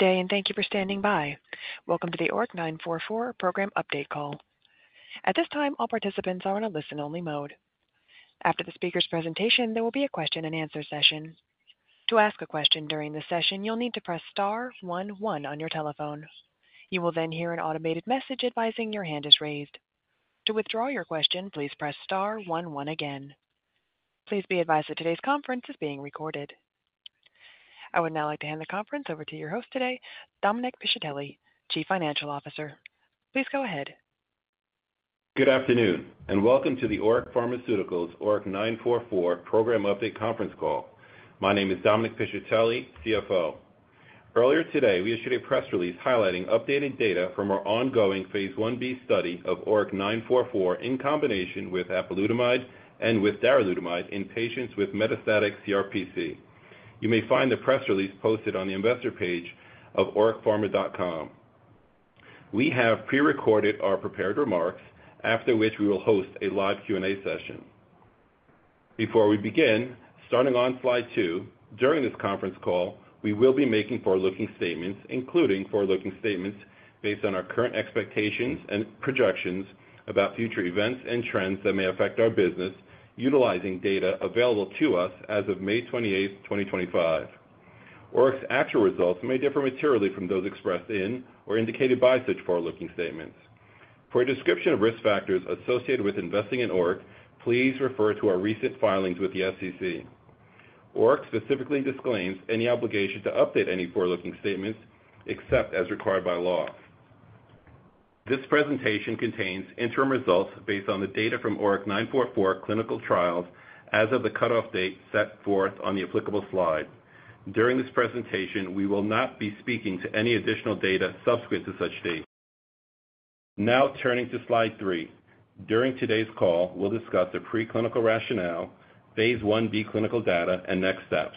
Good day, and thank you for standing by. Welcome to the ORIC-944 program update call. At this time, all participants are in a listen-only mode. After the speaker's presentation, there will be a question-and-answer session. To ask a question during the session, you'll need to press star one one on your telephone. You will then hear an automated message advising your hand is raised. To withdraw your question, please press star one one again. Please be advised that today's conference is being recorded. I would now like to hand the conference over to your host today, Dominic Piscitelli, Chief Financial Officer. Please go ahead. Good afternoon, and welcome to the ORIC Pharmaceuticals ORIC-944 program update conference call. My name is Dominic Piscitelli, CFO. Earlier today, we issued a press release highlighting updated data from our ongoing phase I-B study of ORIC-944 in combination with apalutamide and with darolutamide in patients with metastatic CRPC. You may find the press release posted on the investor page of oricpharma.com. We have pre-recorded our prepared remarks, after which we will host a live Q&A session. Before we begin, starting on slide two, during this conference call, we will be making forward-looking statements, including forward-looking statements based on our current expectations and projections about future events and trends that may affect our business, utilizing data available to us as of May 28, 2025. ORIC's actual results may differ materially from those expressed in or indicated by such forward-looking statements. For a description of risk factors associated with investing in ORIC, please refer to our recent filings with the SEC. ORIC specifically disclaims any obligation to update any forward-looking statements except as required by law. This presentation contains interim results based on the data from ORIC-944 clinical trials as of the cutoff date set forth on the applicable slide. During this presentation, we will not be speaking to any additional data subsequent to such date. Now, turning to slide three, during today's call, we'll discuss the preclinical rationale, phase I-B clinical data, and next steps.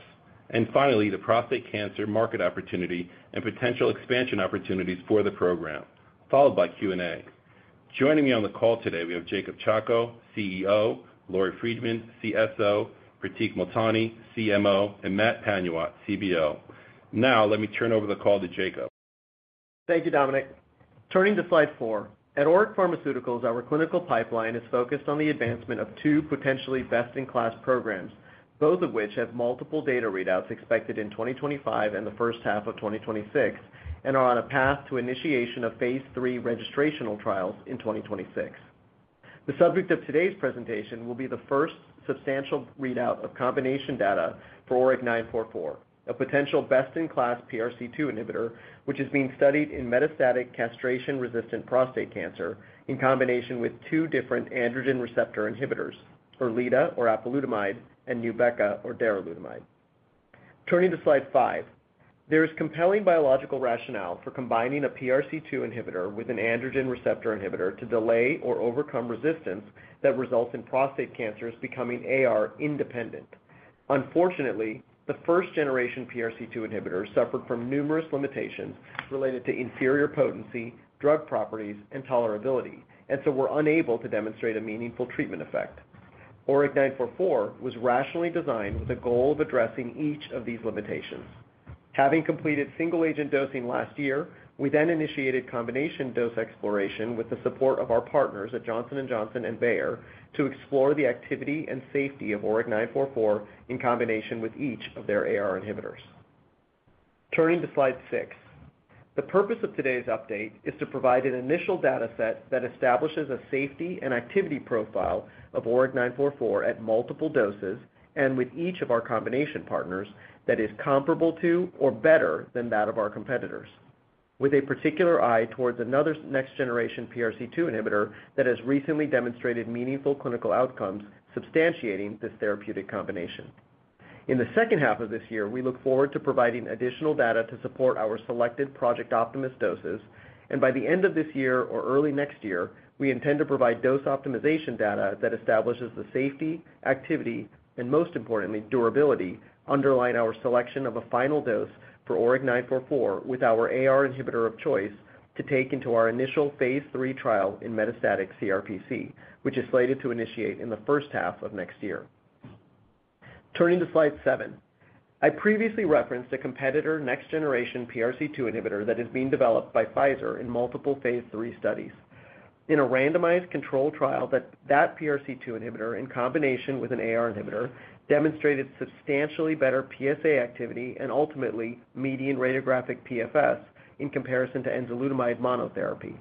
Finally, the prostate cancer market opportunity and potential expansion opportunities for the program, followed by Q&A. Joining me on the call today, we have Jacob Chacko, CEO, Lori Friedman, CSO, Pratik Multani, CMO, and Matt Panuwat, CBO. Now, let me turn over the call to Jacob. Thank you, Dominic. Turning to slide four, at ORIC Pharmaceuticals, our clinical pipeline is focused on the advancement of two potentially best-in-class programs, both of which have multiple data readouts expected in 2025 and the first half of 2026, and are on a path to initiation of phase III registrational trials in 2026. The subject of today's presentation will be the first substantial readout of combination data for ORIC-944, a potential best-in-class PRC2 inhibitor, which is being studied in metastatic castration-resistant prostate cancer in combination with two different androgen receptor inhibitors, apalutamide and darolutamide. Turning to slide five, there is compelling biological rationale for combining a PRC2 inhibitor with an androgen receptor inhibitor to delay or overcome resistance that results in prostate cancers becoming AR-independent. Unfortunately, the first-generation PRC2 inhibitor suffered from numerous limitations related to inferior potency, drug properties, and tolerability, and so were unable to demonstrate a meaningful treatment effect. ORIC-944 was rationally designed with a goal of addressing each of these limitations. Having completed single-agent dosing last year, we then initiated combination dose exploration with the support of our partners at Johnson & Johnson and Bayer to explore the activity and safety of ORIC-944 in combination with each of their AR inhibitors. Turning to slide six, the purpose of today's update is to provide an initial data set that establishes a safety and activity profile of ORIC-944 at multiple doses and with each of our combination partners that is comparable to or better than that of our competitors, with a particular eye towards another next-generation PRC2 inhibitor that has recently demonstrated meaningful clinical outcomes substantiating this therapeutic combination. In the second half of this year, we look forward to providing additional data to support our selected Project Optimus doses, and by the end of this year or early next year, we intend to provide dose optimization data that establishes the safety, activity, and most importantly, durability underlying our selection of a final dose for ORIC-944 with our AR inhibitor of choice to take into our initial phase III trial in metastatic CRPC, which is slated to initiate in the first half of next year. Turning to slide seven, I previously referenced a competitor next-generation PRC2 inhibitor that is being developed by Pfizer in multiple phase III studies. In a randomized control trial, that PRC2 inhibitor in combination with an AR inhibitor demonstrated substantially better PSA activity and ultimately median radiographic PFS in comparison to enzalutamide monotherapy.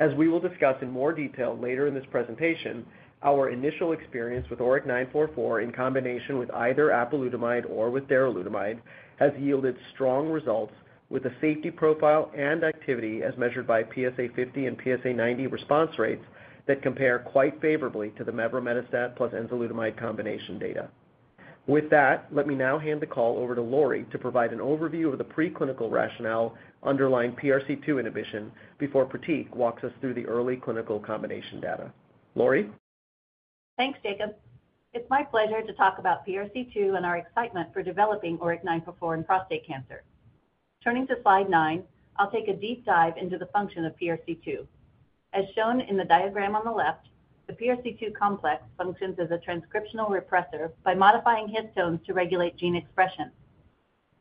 As we will discuss in more detail later in this presentation, our initial experience with ORIC-944 in combination with either apalutamide or with darolutamide has yielded strong results with a safety profile and activity as measured by PSA50 and PSA90 response rates that compare quite favorably to the mevrometastat plus enzalutamide combination data. With that, let me now hand the call over to Lori to provide an overview of the preclinical rationale underlying PRC2 inhibition before Pratik walks us through the early clinical combination data. Lori? Thanks, Jacob. It's my pleasure to talk about PRC2 and our excitement for developing ORIC-944 in prostate cancer. Turning to slide nine, I'll take a deep dive into the function of PRC2. As shown in the diagram on the left, the PRC2 complex functions as a transcriptional repressor by modifying histones to regulate gene expression.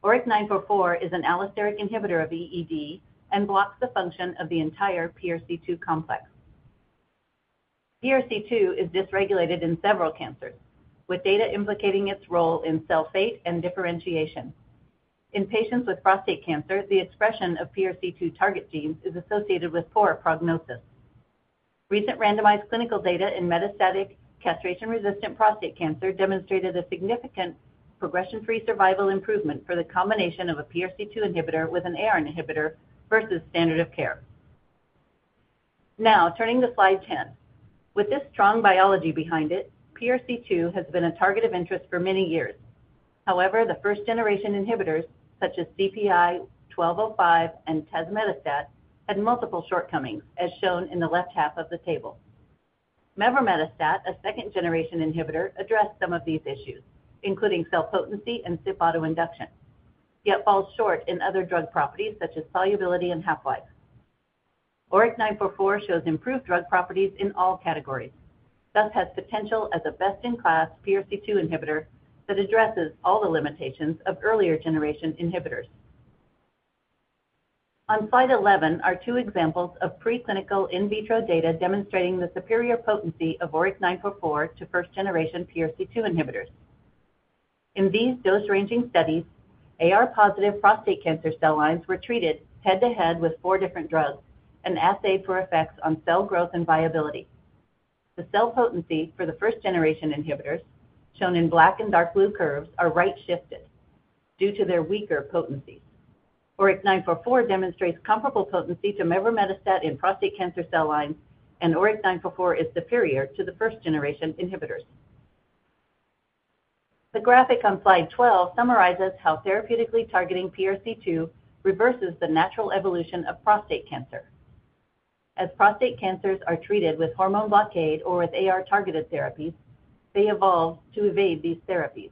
ORIC-944 is an allosteric inhibitor of EED and blocks the function of the entire PRC2 complex. PRC2 is dysregulated in several cancers, with data implicating its role in cell fate and differentiation. In patients with prostate cancer, the expression of PRC2 target genes is associated with poor prognosis. Recent randomized clinical data in metastatic castration-resistant prostate cancer demonstrated a significant progression-free survival improvement for the combination of a PRC2 inhibitor with an AR inhibitor versus standard of care. Now, turning to slide 10, with this strong biology behind it, PRC2 has been a target of interest for many years. However, the first-generation inhibitors, such as CPI-1205 and tazemetastat, had multiple shortcomings, as shown in the left half of the table. Mevrometastat, a second-generation inhibitor, addressed some of these issues, including cell potency and CYP autoinduction, yet falls short in other drug properties such as solubility and half-life. ORIC-944 shows improved drug properties in all categories, thus has potential as a best-in-class PRC2 inhibitor that addresses all the limitations of earlier-generation inhibitors. On slide 11 are two examples of preclinical in vitro data demonstrating the superior potency of ORIC-944 to first-generation PRC2 inhibitors. In these dose-ranging studies, AR-positive prostate cancer cell lines were treated head-to-head with four different drugs and assayed for effects on cell growth and viability. The cell potency for the first-generation inhibitors, shown in black and dark blue curves, is right-shifted due to their weaker potency. ORIC-944 demonstrates comparable potency to mevrometastat in prostate cancer cell lines, and ORIC-944 is superior to the first-generation inhibitors. The graphic on slide 12 summarizes how therapeutically targeting PRC2 reverses the natural evolution of prostate cancer. As prostate cancers are treated with hormone blockade or with AR-targeted therapies, they evolve to evade these therapies.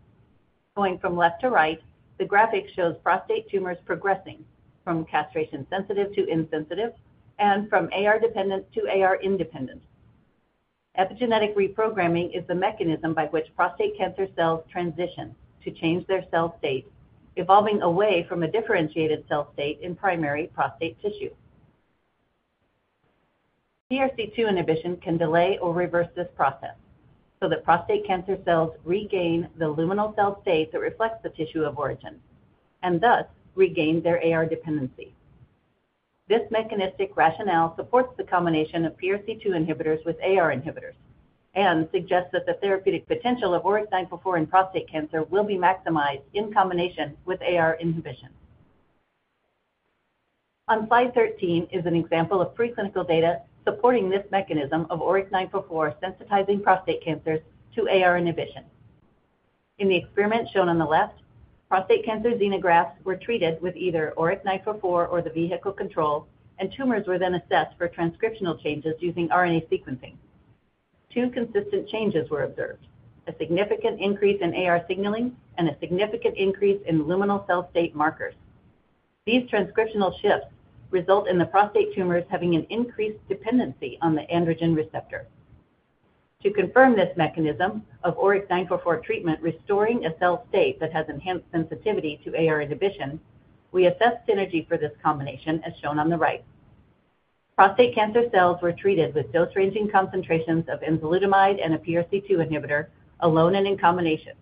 Going from left to right, the graphic shows prostate tumors progressing from castration-sensitive to insensitive and from AR-dependent to AR-independent. Epigenetic reprogramming is the mechanism by which prostate cancer cells transition to change their cell state, evolving away from a differentiated cell state in primary prostate tissue. PRC2 inhibition can delay or reverse this process so that prostate cancer cells regain the luminal cell state that reflects the tissue of origin and thus regain their AR dependency. This mechanistic rationale supports the combination of PRC2 inhibitors with AR inhibitors and suggests that the therapeutic potential of ORIC-944 in prostate cancer will be maximized in combination with AR inhibition. On slide 13 is an example of preclinical data supporting this mechanism of ORIC-944 sensitizing prostate cancers to AR inhibition. In the experiment shown on the left, prostate cancer xenografts were treated with either ORIC-944 or the vehicle control, and tumors were then assessed for transcriptional changes using RNA sequencing. Two consistent changes were observed: a significant increase in AR signaling and a significant increase in luminal cell state markers. These transcriptional shifts result in the prostate tumors having an increased dependency on the androgen receptor. To confirm this mechanism of ORIC-944 treatment restoring a cell state that has enhanced sensitivity to AR inhibition, we assessed synergy for this combination, as shown on the right. Prostate cancer cells were treated with dose-ranging concentrations of enzalutamide and a PRC2 inhibitor alone and in combination.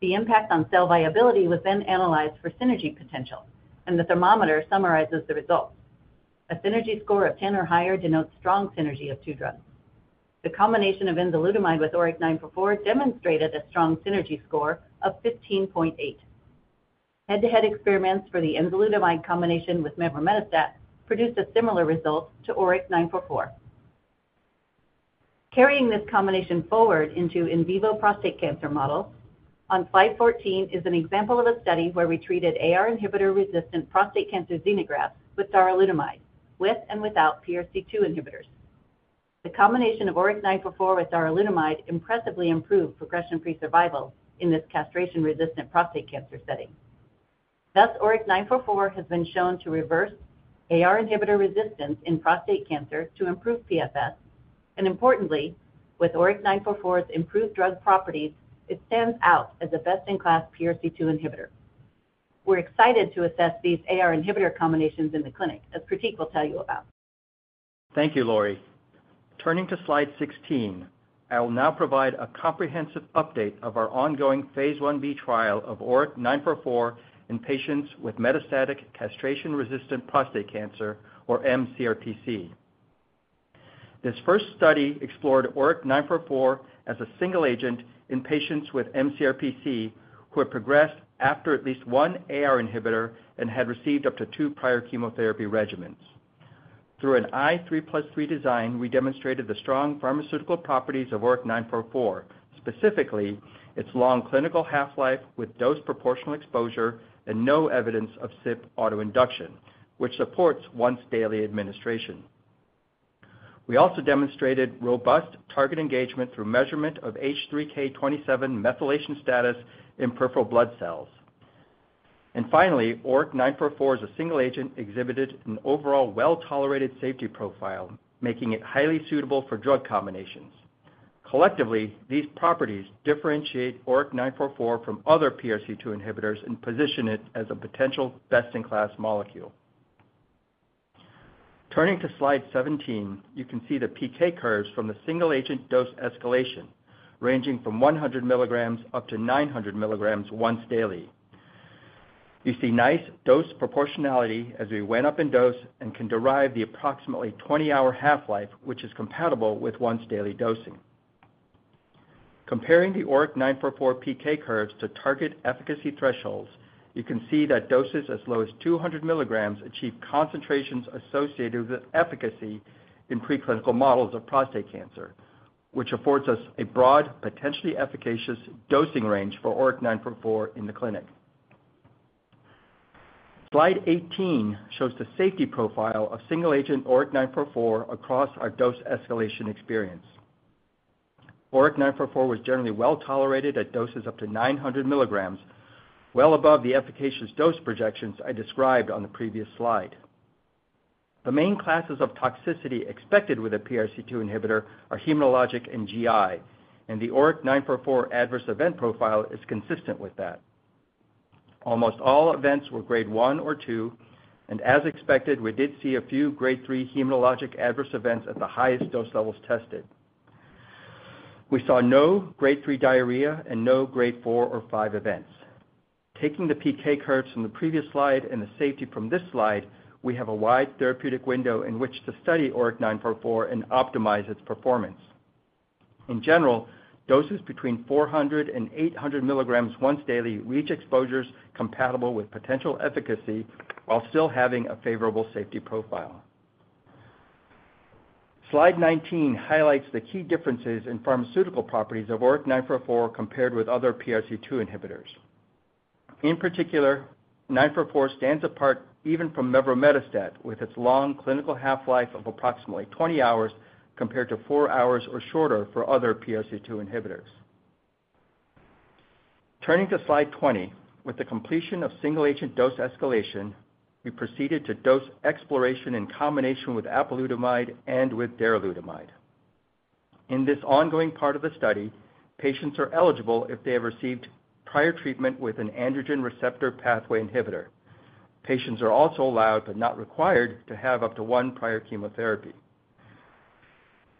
The impact on cell viability was then analyzed for synergy potential, and the thermometer summarizes the results. A synergy score of 10 or higher denotes strong synergy of two drugs. The combination of enzalutamide with ORIC-944 demonstrated a strong synergy score of 15.8. Head-to-head experiments for the enzalutamide combination with mevrometastat produced a similar result to ORIC-944. Carrying this combination forward into in vivo prostate cancer models, on slide 14 is an example of a study where we treated AR-inhibitor-resistant prostate cancer xenografts with darolutamide with and without PRC2 inhibitors. The combination of ORIC-944 with darolutamide impressively improved progression-free survival in this castration-resistant prostate cancer setting. Thus, ORIC-944 has been shown to reverse AR inhibitor resistance in prostate cancer to improve PFS, and importantly, with ORIC-944's improved drug properties, it stands out as a best-in-class PRC2 inhibitor. We're excited to assess these AR inhibitor combinations in the clinic, as Pratik will tell you about. Thank you, Lori. Turning to slide 16, I will now provide a comprehensive update of our ongoing phase I-B trial of ORIC-944 in patients with metastatic castration-resistant prostate cancer, or mCRPC. This first study explored ORIC-944 as a single agent in patients with mCRPC who had progressed after at least one AR inhibitor and had received up to two prior chemotherapy regimens. Through an i3+3 design, we demonstrated the strong pharmaceutical properties of ORIC-944, specifically its long clinical half-life with dose-proportional exposure and no evidence of CYP autoinduction, which supports once-daily administration. We also demonstrated robust target engagement through measurement of H3K27 methylation status in peripheral blood cells. ORIC-944 as a single agent exhibited an overall well-tolerated safety profile, making it highly suitable for drug combinations. Collectively, these properties differentiate ORIC-944 from other PRC2 inhibitors and position it as a potential best-in-class molecule. Turning to slide 17, you can see the PK curves from the single-agent dose escalation, ranging from 100 mgs up to 900 mgs once daily. You see nice dose proportionality as we went up in dose and can derive the approximately 20-hour half-life, which is compatible with once-daily dosing. Comparing the ORIC-944 PK curves to target efficacy thresholds, you can see that doses as low as 200 mgs achieve concentrations associated with efficacy in preclinical models of prostate cancer, which affords us a broad, potentially efficacious dosing range for ORIC-944 in the clinic. Slide 18 shows the safety profile of single-agent ORIC-944 across our dose escalation experience. ORIC-944 was generally well tolerated at doses up to 900 mgs, well above the efficacious dose projections I described on the previous slide. The main classes of toxicity expected with a PRC2 inhibitor are hematologic and GI, and the ORIC-944 adverse event profile is consistent with that. Almost all events were grade 1 or 2, and as expected, we did see a few grade 3 hematologic adverse events at the highest dose levels tested. We saw no grade 3 diarrhea and no grade 4 or 5 events. Taking the PK curves from the previous slide and the safety from this slide, we have a wide therapeutic window in which to study ORIC-944 and optimize its performance. In general, doses between 400-800 mgs once daily reach exposures compatible with potential efficacy while still having a favorable safety profile. Slide 19 highlights the key differences in pharmaceutical properties of ORIC-944 compared with other PRC2 inhibitors. In particular, 944 stands apart even from mevrometastat with its long clinical half-life of approximately 20 hours compared to 4 hours or shorter for other PRC2 inhibitors. Turning to slide 20, with the completion of single-agent dose escalation, we proceeded to dose exploration in combination with apalutamide and with darolutamide. In this ongoing part of the study, patients are eligible if they have received prior treatment with an androgen receptor pathway inhibitor. Patients are also allowed but not required to have up to one prior chemotherapy.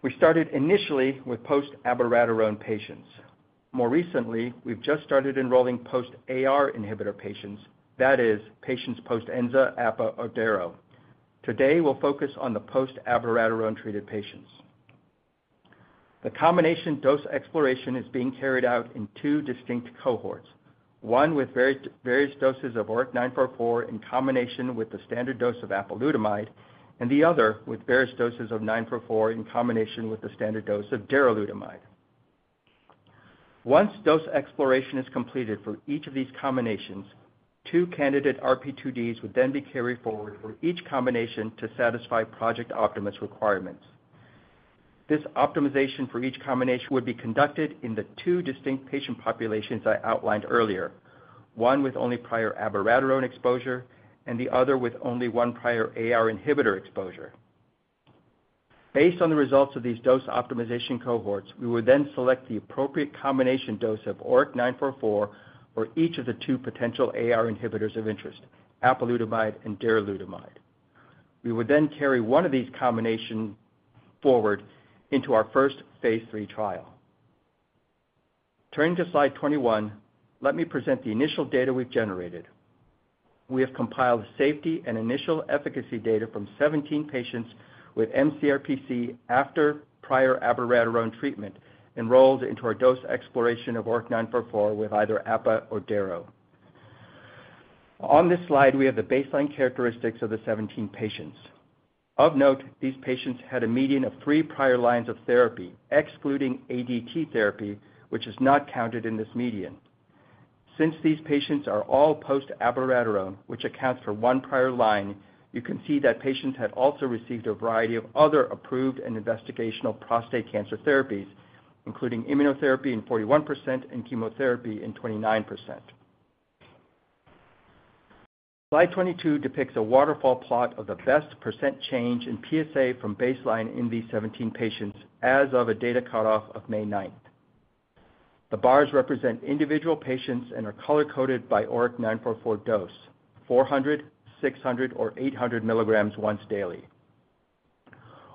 We started initially with post-abiraterone patients. More recently, we've just started enrolling post-AR inhibitor patients, that is, patients post enzalutamide, apalutamide, or darolutamide. Today, we'll focus on the post-abiraterone treated patients. The combination dose exploration is being carried out in two distinct cohorts: one with various doses of ORIC-944 in combination with the standard dose of apalutamide, and the other with various doses of ORIC-944 in combination with the standard dose of darolutamide. Once dose exploration is completed for each of these combinations, two candidate RP2Ds would then be carried forward for each combination to satisfy project optimist requirements. This optimization for each combination would be conducted in the two distinct patient populations I outlined earlier, one with only prior abiraterone exposure and the other with only one prior AR inhibitor exposure. Based on the results of these dose optimization cohorts, we would then select the appropriate combination dose of ORIC-944 for each of the two potential AR inhibitors of interest, apalutamide and darolutamide. We would then carry one of these combinations forward into our first phase III trial. Turning to slide 21, let me present the initial data we've generated. We have compiled safety and initial efficacy data from 17 patients with mCRPC after prior abiraterone treatment enrolled into our dose exploration of ORIC-944 with either apalutamide or darolutamide. On this slide, we have the baseline characteristics of the 17 patients. Of note, these patients had a median of three prior lines of therapy, excluding ADT therapy, which is not counted in this median. Since these patients are all post-abiraterone, which accounts for one prior line, you can see that patients had also received a variety of other approved and investigational prostate cancer therapies, including immunotherapy in 41% and chemotherapy in 29%. Slide 22 depicts a waterfall plot of the best percent change in PSA from baseline in these 17 patients as of a data cutoff of May 9th. The bars represent individual patients and are color-coded by ORIC-944 dose, 400, 600, or 800 mgs once daily.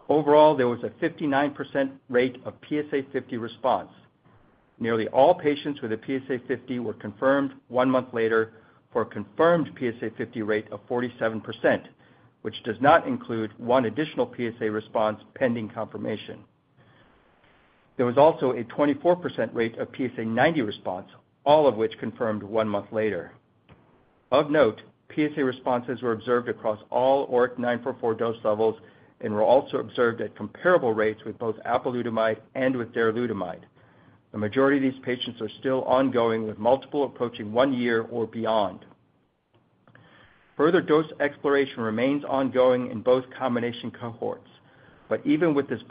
Overall, there was a 59% rate of PSA50 response. Nearly all patients with a PSA50 were confirmed one month later for a confirmed PSA50 rate of 47%, which does not include one additional PSA response pending confirmation. There was also a 24% rate of PSA90 response, all of which confirmed one month later. Of note, PSA responses were observed across all ORIC-944 dose levels and were also observed at comparable rates with both apalutamide and with darolutamide. The majority of these patients are still ongoing with multiple approaching one year or beyond. Further dose exploration remains ongoing in both combination cohorts, but even with this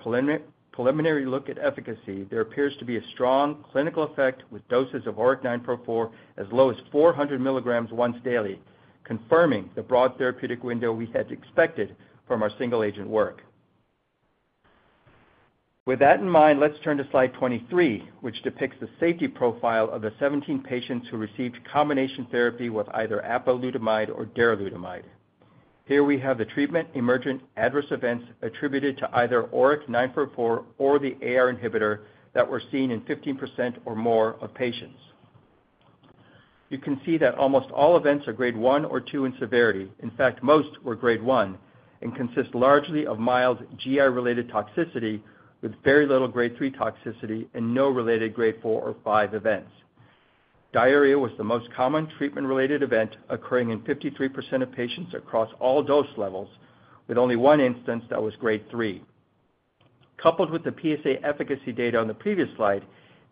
preliminary look at efficacy, there appears to be a strong clinical effect with doses of ORIC-944 as low as 400 mgs once daily, confirming the broad therapeutic window we had expected from our single-agent work. With that in mind, let's turn to slide 23, which depicts the safety profile of the 17 patients who received combination therapy with either apalutamide or darolutamide. Here we have the treatment emergent adverse events attributed to either ORIC-944 or the AR inhibitor that were seen in 15% or more of patients. You can see that almost all events are grade 1 or 2 in severity. In fact, most were grade 1 and consist largely of mild GI-related toxicity with very little grade 3 toxicity and no related grade 4 or 5 events. Diarrhea was the most common treatment-related event occurring in 53% of patients across all dose levels, with only one instance that was grade 3. Coupled with the PSA efficacy data on the previous slide,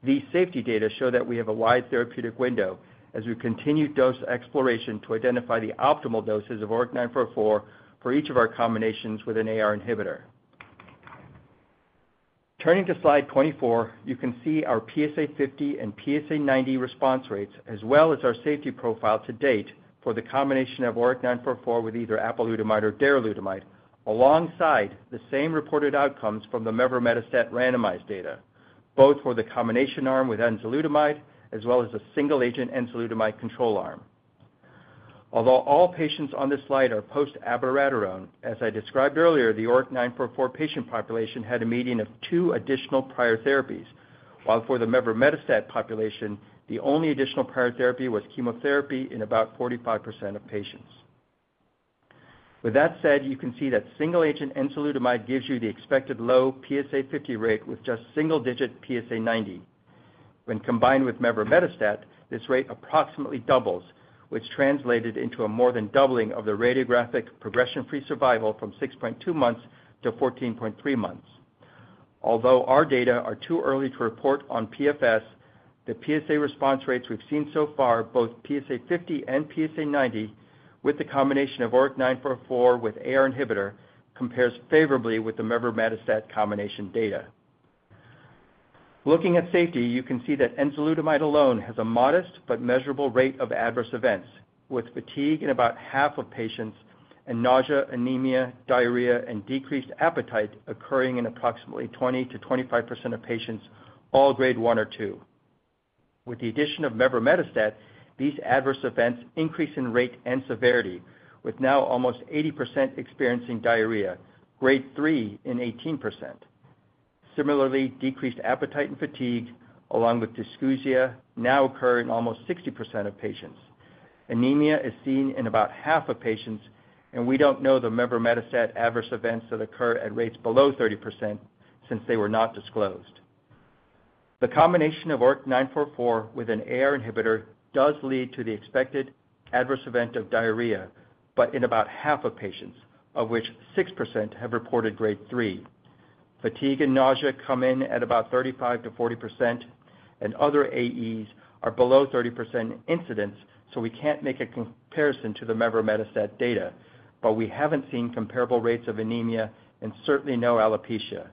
these safety data show that we have a wide therapeutic window as we continue dose exploration to identify the optimal doses of ORIC-944 for each of our combinations with an AR inhibitor. Turning to slide 24, you can see our PSA50 and PSA90 response rates, as well as our safety profile to date for the combination of ORIC-944 with either apalutamide or darolutamide, alongside the same reported outcomes from the mevrometastat randomized data, both for the combination arm with enzalutamide as well as the single-agent enzalutamide control arm. Although all patients on this slide are post-abiraterone, as I described earlier, the ORIC-944 patient population had a median of two additional prior therapies, while for the mevrometastat population, the only additional prior therapy was chemotherapy in about 45% of patients. With that said, you can see that single-agent enzalutamide gives you the expected low PSA50 rate with just single-digit PSA90. When combined with mevrometastat, this rate approximately doubles, which translated into a more than doubling of the radiographic progression-free survival from 6.2 months to 14.3 months. Although our data are too early to report on PFS, the PSA response rates we've seen so far, both PSA50 and PSA90, with the combination of ORIC-944 with AR inhibitor, compares favorably with the mevrometastat combination data. Looking at safety, you can see that enzalutamide alone has a modest but measurable rate of adverse events, with fatigue in about half of patients and nausea, anemia, diarrhea, and decreased appetite occurring in approximately 20%-25% of patients, all grade 1 or 2. With the addition of mevrometastat, these adverse events increase in rate and severity, with now almost 80% experiencing diarrhea, grade 3 in 18%. Similarly, decreased appetite and fatigue, along with dysgeusia, now occur in almost 60% of patients. Anemia is seen in about half of patients, and we don't know the mevrometastat adverse events that occur at rates below 30% since they were not disclosed. The combination of ORIC-944 with an AR inhibitor does lead to the expected adverse event of diarrhea, but in about half of patients, of which 6% have reported grade 3. Fatigue and nausea come in at about 35%-40%, and other AEs are below 30% incidence, so we can't make a comparison to the mevrometastat data, but we haven't seen comparable rates of anemia and certainly no alopecia.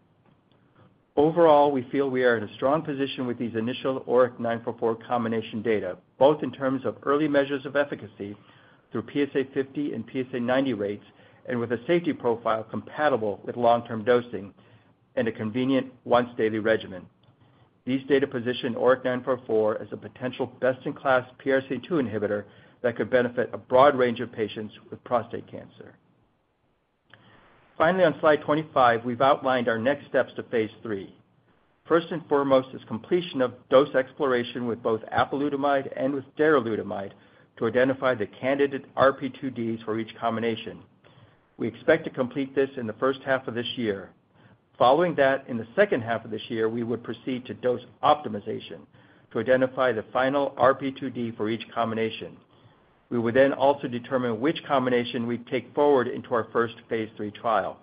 Overall, we feel we are in a strong position with these initial ORIC-944 combination data, both in terms of early measures of efficacy through PSA50 and PSA90 rates and with a safety profile compatible with long-term dosing and a convenient once-daily regimen. These data position ORIC-944 as a potential best-in-class PRC2 inhibitor that could benefit a broad range of patients with prostate cancer. Finally, on slide 25, we've outlined our next steps to phase III. First and foremost is completion of dose exploration with both apalutamide and with darolutamide to identify the candidate RP2Ds for each combination. We expect to complete this in the first half of this year. Following that, in the second half of this year, we would proceed to dose optimization to identify the final RP2D for each combination. We would then also determine which combination we take forward into our first phase III trial.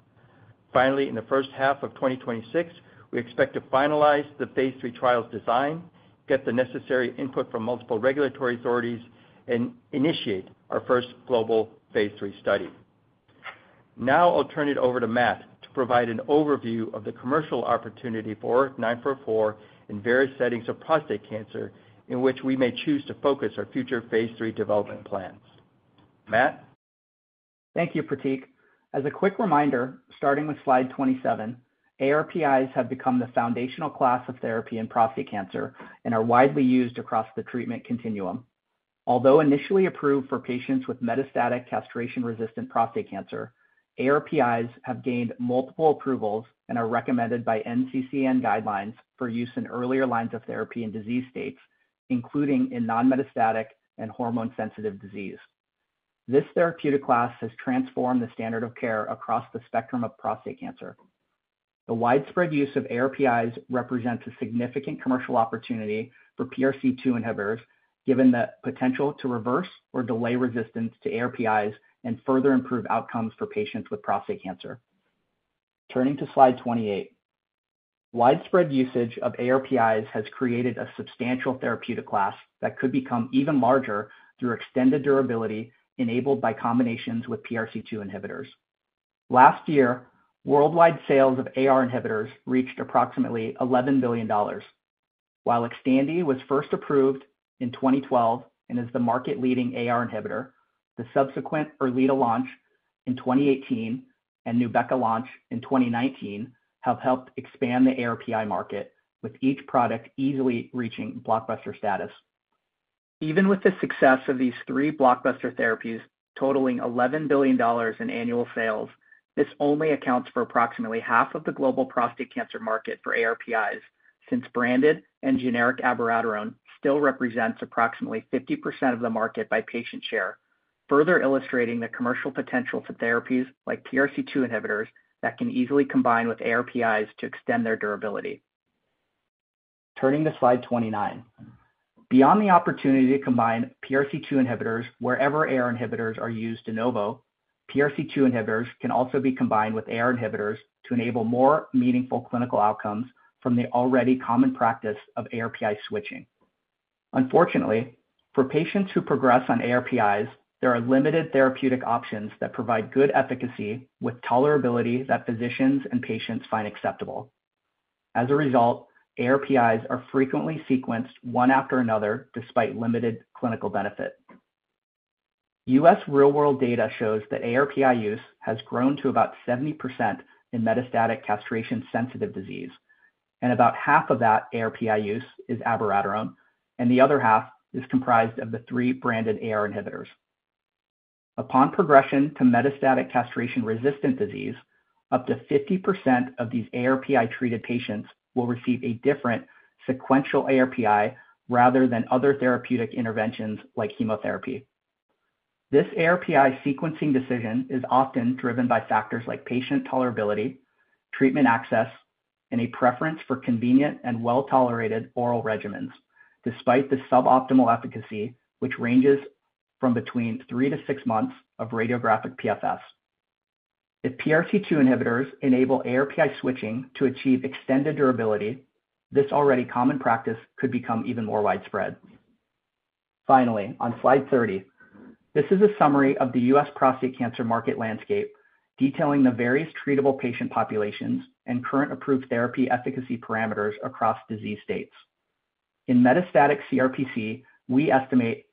Finally, in the first half of 2026, we expect to finalize the phase III trial's design, get the necessary input from multiple regulatory authorities, and initiate our first global phase III study. Now I'll turn it over to Matt to provide an overview of the commercial opportunity for ORIC-944 in various settings of prostate cancer in which we may choose to focus our future phase III development plans. Matt. Thank you, Pratik. As a quick reminder, starting with slide 27, ARPIs have become the foundational class of therapy in prostate cancer and are widely used across the treatment continuum. Although initially approved for patients with metastatic castration-resistant prostate cancer, ARPIs have gained multiple approvals and are recommended by NCCN guidelines for use in earlier lines of therapy in disease states, including in non-metastatic and hormone-sensitive disease. This therapeutic class has transformed the standard of care across the spectrum of prostate cancer. The widespread use of ARPIs represents a significant commercial opportunity for PRC2 inhibitors, given the potential to reverse or delay resistance to ARPIs and further improve outcomes for patients with prostate cancer. Turning to slide 28, widespread usage of ARPIs has created a substantial therapeutic class that could become even larger through extended durability enabled by combinations with PRC2 inhibitors. Last year, worldwide sales of AR inhibitors reached approximately $11 billion. While Xtandi was first approved in 2012 and is the market-leading AR inhibitor, the subsequent Erleada launch in 2018 and Nubeqa launch in 2019 have helped expand the ARPI market, with each product easily reaching blockbuster status. Even with the success of these three blockbuster therapies totaling $11 billion in annual sales, this only accounts for approximately half of the global prostate cancer market for ARPIs, since branded and generic abiraterone still represents approximately 50% of the market by patient share, further illustrating the commercial potential for therapies like PRC2 inhibitors that can easily combine with ARPIs to extend their durability. Turning to slide 29, beyond the opportunity to combine PRC2 inhibitors wherever AR inhibitors are used de novo, PRC2 inhibitors can also be combined with AR inhibitors to enable more meaningful clinical outcomes from the already common practice of ARPI switching. Unfortunately, for patients who progress on ARPIs, there are limited therapeutic options that provide good efficacy with tolerability that physicians and patients find acceptable. As a result, ARPIs are frequently sequenced one after another despite limited clinical benefit. U.S. real-world data shows that ARPI use has grown to about 70% in metastatic castration-sensitive disease, and about half of that ARPI use is abiraterone, and the other half is comprised of the three branded AR inhibitors. Upon progression to metastatic castration-resistant disease, up to 50% of these ARPI-treated patients will receive a different sequential ARPI rather than other therapeutic interventions like chemotherapy. This ARPI sequencing decision is often driven by factors like patient tolerability, treatment access, and a preference for convenient and well-tolerated oral regimens, despite the suboptimal efficacy, which ranges from between three to six months of radiographic PFS. If PRC2 inhibitors enable ARPI switching to achieve extended durability, this already common practice could become even more widespread. Finally, on slide 30, this is a summary of the U.S. prostate cancer market landscape, detailing the various treatable patient populations and current approved therapy efficacy parameters across disease states. In metastatic CRPC, we estimate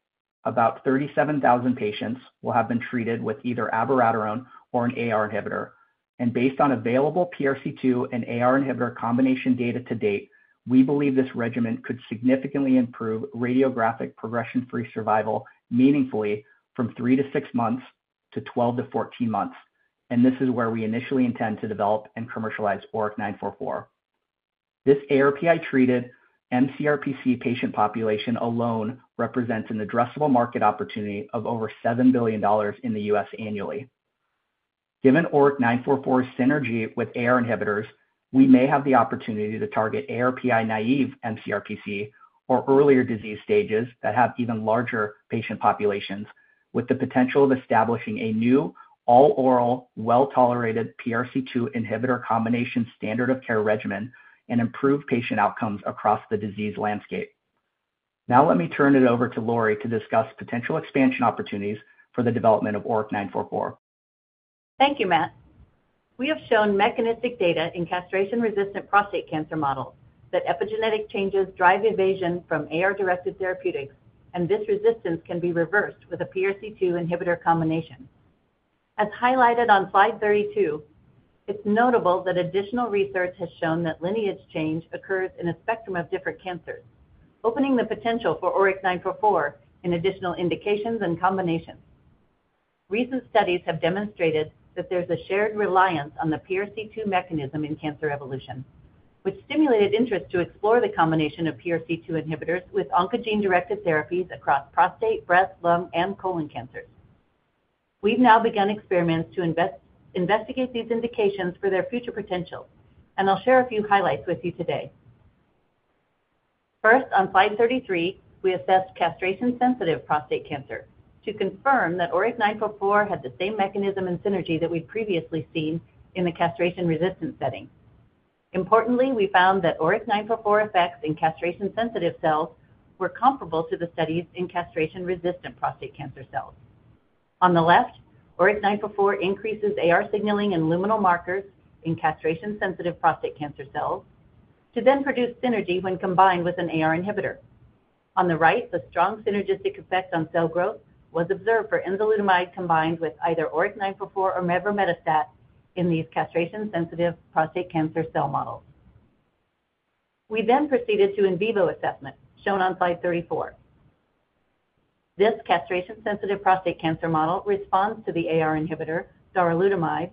about 37,000 patients will have been treated with either abiraterone or an AR inhibitor, and based on available PRC2 and AR inhibitor combination data to date, we believe this regimen could significantly improve radiographic progression-free survival meaningfully from three-six months to 12-14 months, and this is where we initially intend to develop and commercialize ORIC-944. This ARPI-treated mCRPC patient population alone represents an addressable market opportunity of over $7 billion in the U.S. annually. Given ORIC-944's synergy with AR inhibitors, we may have the opportunity to target ARPI naive mCRPC or earlier disease stages that have even larger patient populations, with the potential of establishing a new all-oral, well-tolerated PRC2 inhibitor combination standard of care regimen and improved patient outcomes across the disease landscape. Now let me turn it over to Lori to discuss potential expansion opportunities for the development of ORIC-944. Thank you, Matt. We have shown mechanistic data in castration-resistant prostate cancer models that epigenetic changes drive invasion from AR-directed therapeutics, and this resistance can be reversed with a PRC2 inhibitor combination. As highlighted on slide 32, it is notable that additional research has shown that lineage change occurs in a spectrum of different cancers, opening the potential for ORIC-944 in additional indications and combinations. Recent studies have demonstrated that there's a shared reliance on the PRC2 mechanism in cancer evolution, which stimulated interest to explore the combination of PRC2 inhibitors with oncogene-directed therapies across prostate, breast, lung, and colon cancers. We've now begun experiments to investigate these indications for their future potential, and I'll share a few highlights with you today. First, on slide 33, we assessed castration-sensitive prostate cancer to confirm that ORIC-944 had the same mechanism and synergy that we'd previously seen in the castration-resistant setting. Importantly, we found that ORIC-944 effects in castration-sensitive cells were comparable to the studies in castration-resistant prostate cancer cells. On the left, ORIC-944 increases AR signaling and luminal markers in castration-sensitive prostate cancer cells to then produce synergy when combined with an AR inhibitor. On the right, the strong synergistic effect on cell growth was observed for enzalutamide combined with either ORIC-944 or mevrometastat in these castration-sensitive prostate cancer cell models. We then proceeded to in vivo assessment, shown on slide 34. This castration-sensitive prostate cancer model responds to the AR inhibitor, darolutamide,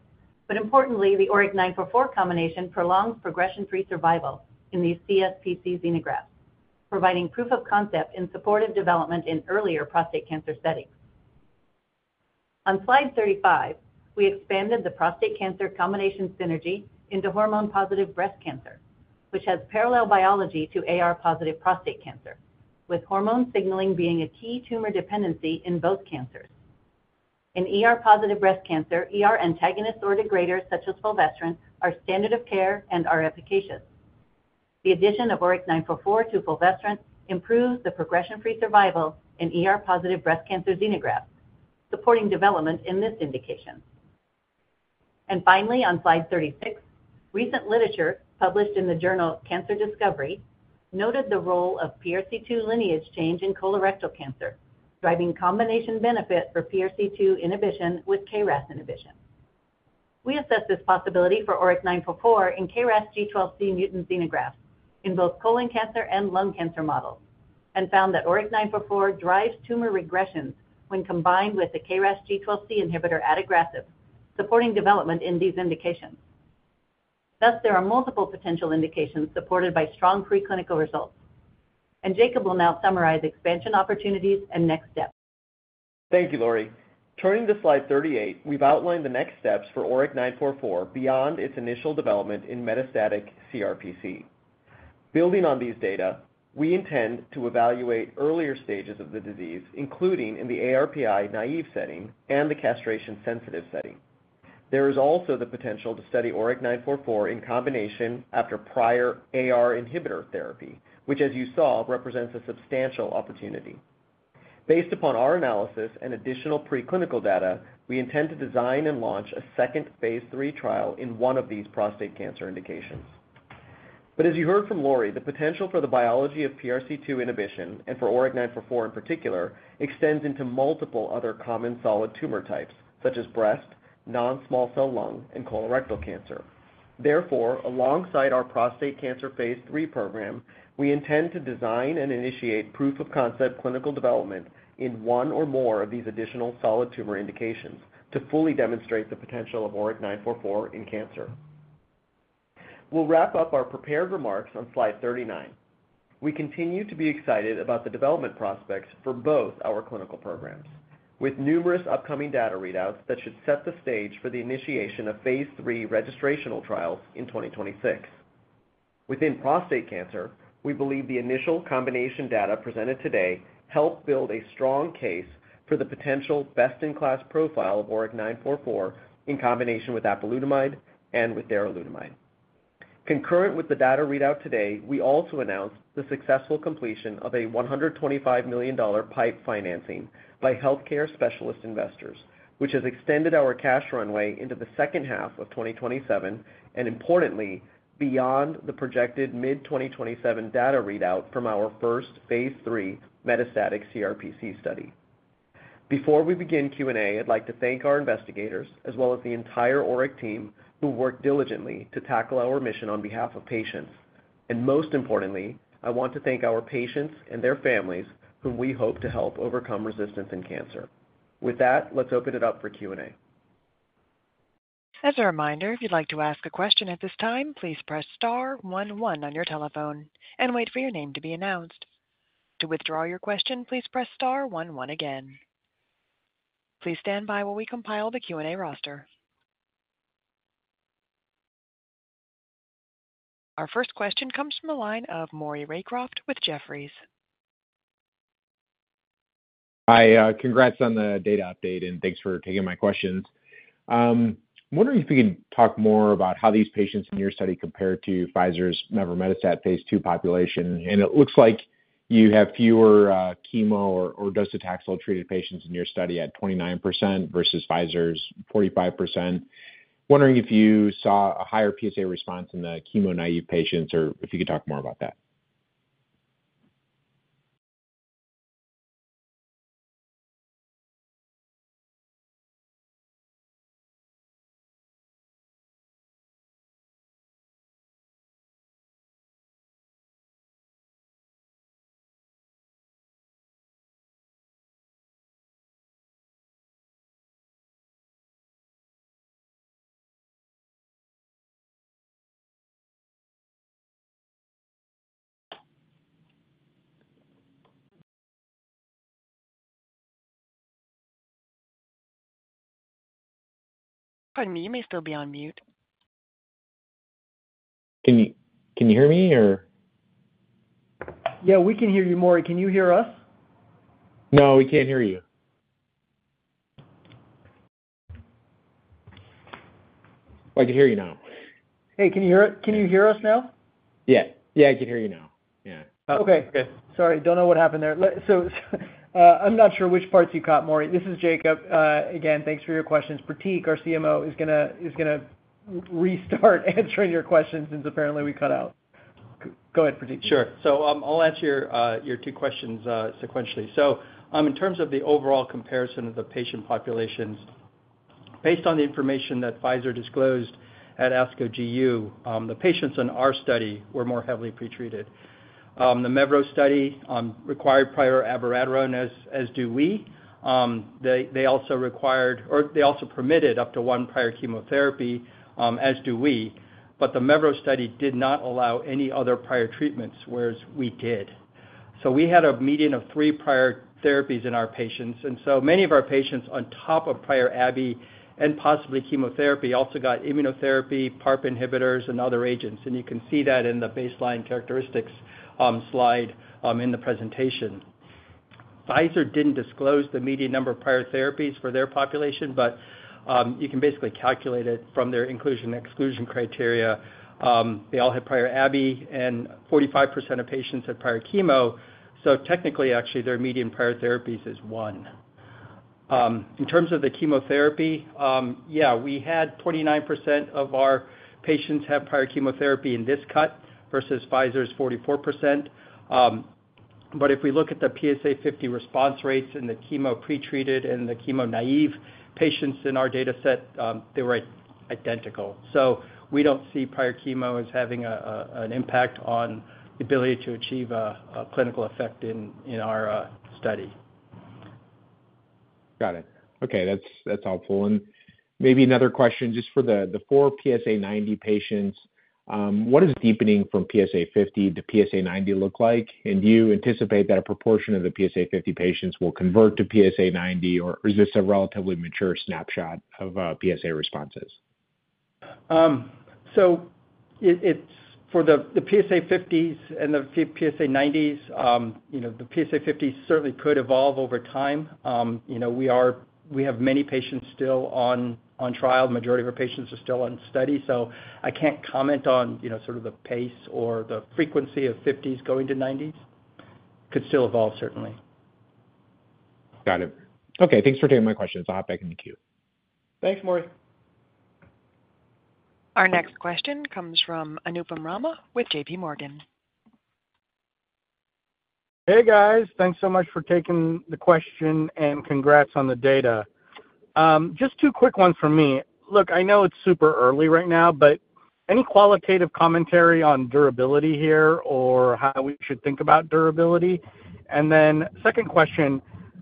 but importantly, the ORIC-944 combination prolongs progression-free survival in these CSPC xenografts, providing proof of concept in supportive development in earlier prostate cancer settings. On slide 35, we expanded the prostate cancer combination synergy into hormone-positive breast cancer, which has parallel biology to AR-positive prostate cancer, with hormone signaling being a key tumor dependency in both cancers. In ER-positive breast cancer, antagonist or degraders such as fulvestrant are standard of care and are efficacious. The addition of ORIC-944 to fulvestrant improves the progression-free survival in ER-positive breast cancer xenografts, supporting development in this indication. Finally, on slide 36, recent literature published in the journal Cancer Discovery noted the role of PRC2 lineage change in colorectal cancer, driving combination benefit for PRC2 inhibition with KRAS inhibition. We assessed this possibility for ORIC-944 in KRAS G12C mutant xenografts in both colon cancer and lung cancer models and found that ORIC-944 drives tumor regressions when combined with the KRAS G12C inhibitor at aggressive, supporting development in these indications. Thus, there are multiple potential indications supported by strong preclinical results. Jacob will now summarize expansion opportunities and next steps. Thank you, Lori. Turning to slide 38, we have outlined the next steps for ORIC-944 beyond its initial development in metastatic CRPC. Building on these data, we intend to evaluate earlier stages of the disease, including in the ARPI naive setting and the castration-sensitive setting. There is also the potential to study ORIC-944 in combination after prior AR inhibitor therapy, which, as you saw, represents a substantial opportunity. Based upon our analysis and additional preclinical data, we intend to design and launch a second phase III trial in one of these prostate cancer indications. As you heard from Lori, the potential for the biology of PRC2 inhibition and for ORIC-944 in particular extends into multiple other common solid tumor types, such as breast, non-small cell lung, and colorectal cancer. Therefore, alongside our prostate cancer phase III program, we intend to design and initiate proof of concept clinical development in one or more of these additional solid tumor indications to fully demonstrate the potential of ORIC-944 in cancer. We'll wrap up our prepared remarks on slide 39. We continue to be excited about the development prospects for both our clinical programs, with numerous upcoming data readouts that should set the stage for the initiation of phase III registrational trials in 2026. Within prostate cancer, we believe the initial combination data presented today helped build a strong case for the potential best-in-class profile of ORIC-944 in combination with apalutamide and with darolutamide. Concurrent with the data readout today, we also announced the successful completion of a $125 million pipe financing by healthcare specialist investors, which has extended our cash runway into the second half of 2027 and, importantly, beyond the projected mid-2027 data readout from our first phase III metastatic CRPC study. Before we begin Q&A, I'd like to thank our investigators, as well as the entire ORIC team who worked diligently to tackle our mission on behalf of patients. Most importantly, I want to thank our patients and their families, whom we hope to help overcome resistance in cancer. With that, let's open it up for Q&A. As a reminder, if you'd like to ask a question at this time, please press star one, one on your telephone and wait for your name to be announced. To withdraw your question, please press star one, one again. Please stand by while we compile the Q&A roster. Our first question comes from the line of Maury Raycroft with Jefferies. Hi, congrats on the data update, and thanks for taking my questions. I'm wondering if we can talk more about how these patients in your study compared to Pfizer's mevrometastat phase II population. It looks like you have fewer chemo or docetaxel treated patients in your study at 29% versus Pfizer's 45%. Wondering if you saw a higher PSA response in the chemo naive patients or if you could talk more about that. Pardon me, you may still be on mute. Can you hear me, or? Yeah, we can hear you, Maury. Can you hear us? No, we can't hear you. I can hear you now. Hey, can you hear us now? Yeah. Yeah, I can hear you now. Yeah. Okay. Sorry, don't know what happened there. I'm not sure which parts you caught, Maury. This is Jacob. Again, thanks for your questions. Pratik, our CMO, is going to restart answering your questions since apparently we cut out. Go ahead, Pratik. Sure. I'll answer your two questions sequentially. In terms of the overall comparison of the patient populations, based on the information that Pfizer disclosed at ASCO GU, the patients in our study were more heavily pretreated. The mevrometastat study required prior abiraterone, as do we. They also required or they also permitted up to one prior chemotherapy, as do we. The mevrometastat study did not allow any other prior treatments, whereas we did. We had a median of three prior therapies in our patients. Many of our patients on top of prior AbbVie and possibly chemotherapy also got immunotherapy, PARP inhibitors, and other agents. You can see that in the baseline characteristics slide in the presentation. Pfizer did not disclose the median number of prior therapies for their population, but you can basically calculate it from their inclusion and exclusion criteria. They all had prior AbbVie, and 45% of patients had prior chemo. Technically, actually, their median prior therapies is one. In terms of the chemotherapy, yeah, we had 29% of our patients have prior chemotherapy in this cut versus Pfizer's 44%. If we look at the PSA50 response rates in the chemo pretreated and the chemo naive patients in our data set, they were identical. We do not see prior chemo as having an impact on the ability to achieve a clinical effect in our study. Got it. Okay. That's helpful. Maybe another question just for the four PSA90 patients. What does deepening from PSA50 to PSA90 look like? Do you anticipate that a proportion of the PSA50 patients will convert to PSA90, or is this a relatively mature snapshot of PSA responses? For the PSA50s and the PSA90s, the PSA50s certainly could evolve over time. We have many patients still on trial. The majority of our patients are still on study. I can't comment on sort of the pace or the frequency of 50s going to 90s. It could still evolve, certainly. Got it. Okay. Thanks for taking my questions. I'll hop back in the queue. Thanks, Maury. Our next question comes from Anupam Rama with JPMorgan. Hey, guys. Thanks so much for taking the question, and congrats on the data. Just two quick ones from me. Look, I know it's super early right now, but any qualitative commentary on durability here or how we should think about durability? Second question,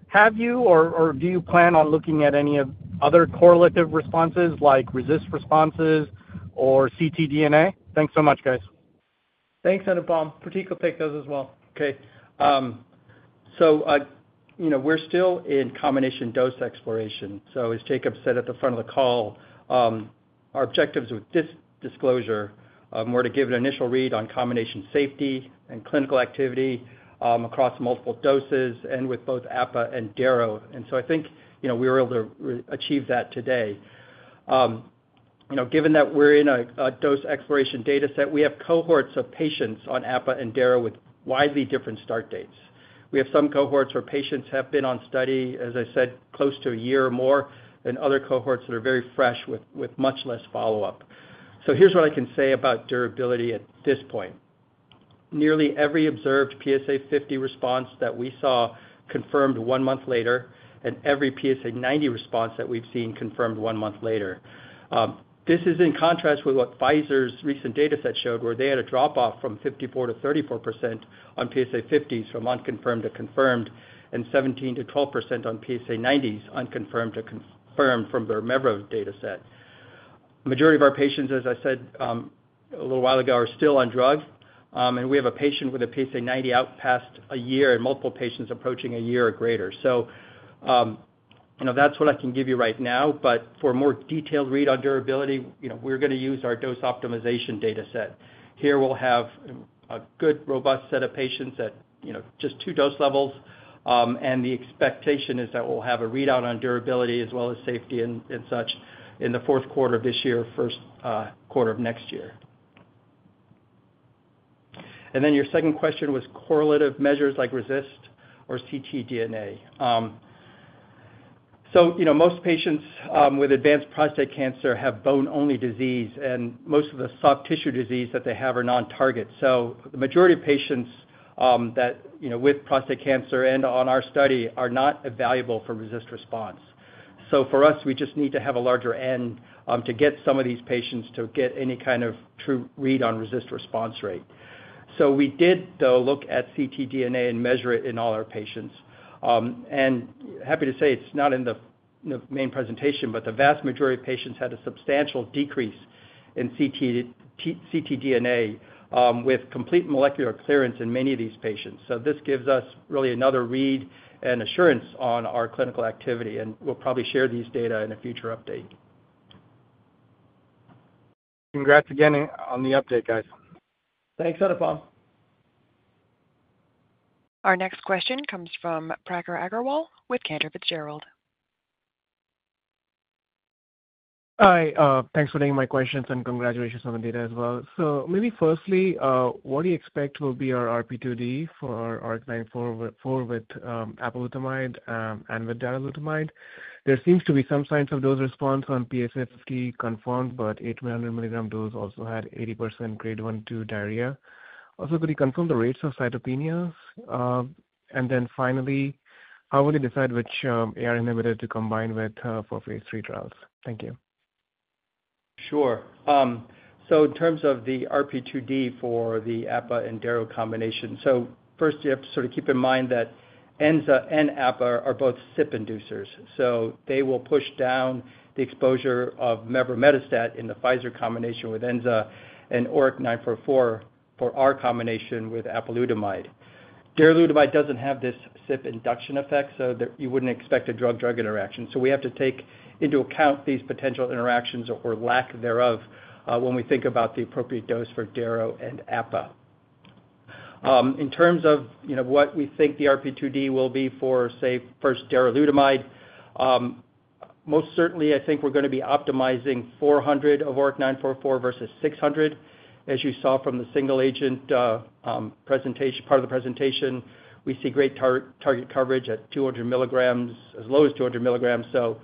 have you or do you plan on looking at any other correlative responses like resist responses or ctDNA? Thanks so much, guys. Thanks, Anupam. Pratik will take those as well. Okay. We're still in combination dose exploration. As Jacob said at the front of the call, our objectives with this disclosure were to give an initial read on combination safety and clinical activity across multiple doses and with both apalutamide and darolutamide. I think we were able to achieve that today. Given that we're in a dose exploration data set, we have cohorts of patients on apalutamide and darolutamide with widely different start dates. We have some cohorts where patients have been on study, as I said, close to a year or more, and other cohorts that are very fresh with much less follow-up. Here's what I can say about durability at this point. Nearly every observed PSA50 response that we saw was confirmed one month later, and every PSA90 response that we've seen was confirmed one month later. This is in contrast with what Pfizer's recent data set showed, where they had a drop-off from 54% to 34% on PSA50s from unconfirmed to confirmed, and 17% to 12% on PSA90s unconfirmed to confirmed from their mevrometastat data set. The majority of our patients, as I said a little while ago, are still on drug. We have a patient with a PSA90 out past a year and multiple patients approaching a year or greater. That is what I can give you right now. For a more detailed read on durability, we are going to use our dose optimization data set. Here, we will have a good robust set of patients at just two dose levels. The expectation is that we will have a readout on durability as well as safety and such in the fourth quarter of this year, first quarter of next year. Your second question was correlative measures like RECIST or ctDNA. Most patients with advanced prostate cancer have bone-only disease, and most of the soft tissue disease that they have are non-target. The majority of patients with prostate cancer and on our study are not evaluable for RECIST response. For us, we just need to have a larger N to get some of these patients to get any kind of true read on RECIST response rate. We did, though, look at ctDNA and measure it in all our patients. I'm happy to say it's not in the main presentation, but the vast majority of patients had a substantial decrease in ctDNA with complete molecular clearance in many of these patients. This gives us really another read and assurance on our clinical activity. We'll probably share these data in a future update. Congrats again on the update, guys. Thanks, Anupam. Our next question comes from Prakhar Agarwal with Cantor Fitzgerald. Hi. Thanks for taking my questions and congratulations on the data as well. Maybe firstly, what do you expect will be our RP2D for ORIC-944 with apalutamide and with darolutamide? There seems to be some signs of dose response on PSA50 confirmed, but 800 mg dose also had 80% grade 1-2 diarrhea. Also, could you confirm the rates of cytopenias? Finally, how will you decide which AR inhibitor to combine with for phase III trials? Thank you. Sure. In terms of the RP2D for the apalutamide and darolutamide combination, first, you have to sort of keep in mind that enzalutamide and apalutamide are both CYP inducers. They will push down the exposure of mevrometastat in the Pfizer combination with enzalutamide and ORIC-944 for our combination with apalutamide. Darolutamide doesn't have this CYP induction effect, so you wouldn't expect a drug-drug interaction. We have to take into account these potential interactions or lack thereof when we think about the appropriate dose for darolutamide and apalutamide. In terms of what we think the RP2D will be for, say, first darolutamide, most certainly, I think we're going to be optimizing 400 of ORIC-944 versus 600. As you saw from the single agent part of the presentation, we see great target coverage at 200 mgs, as low as 200 mgs.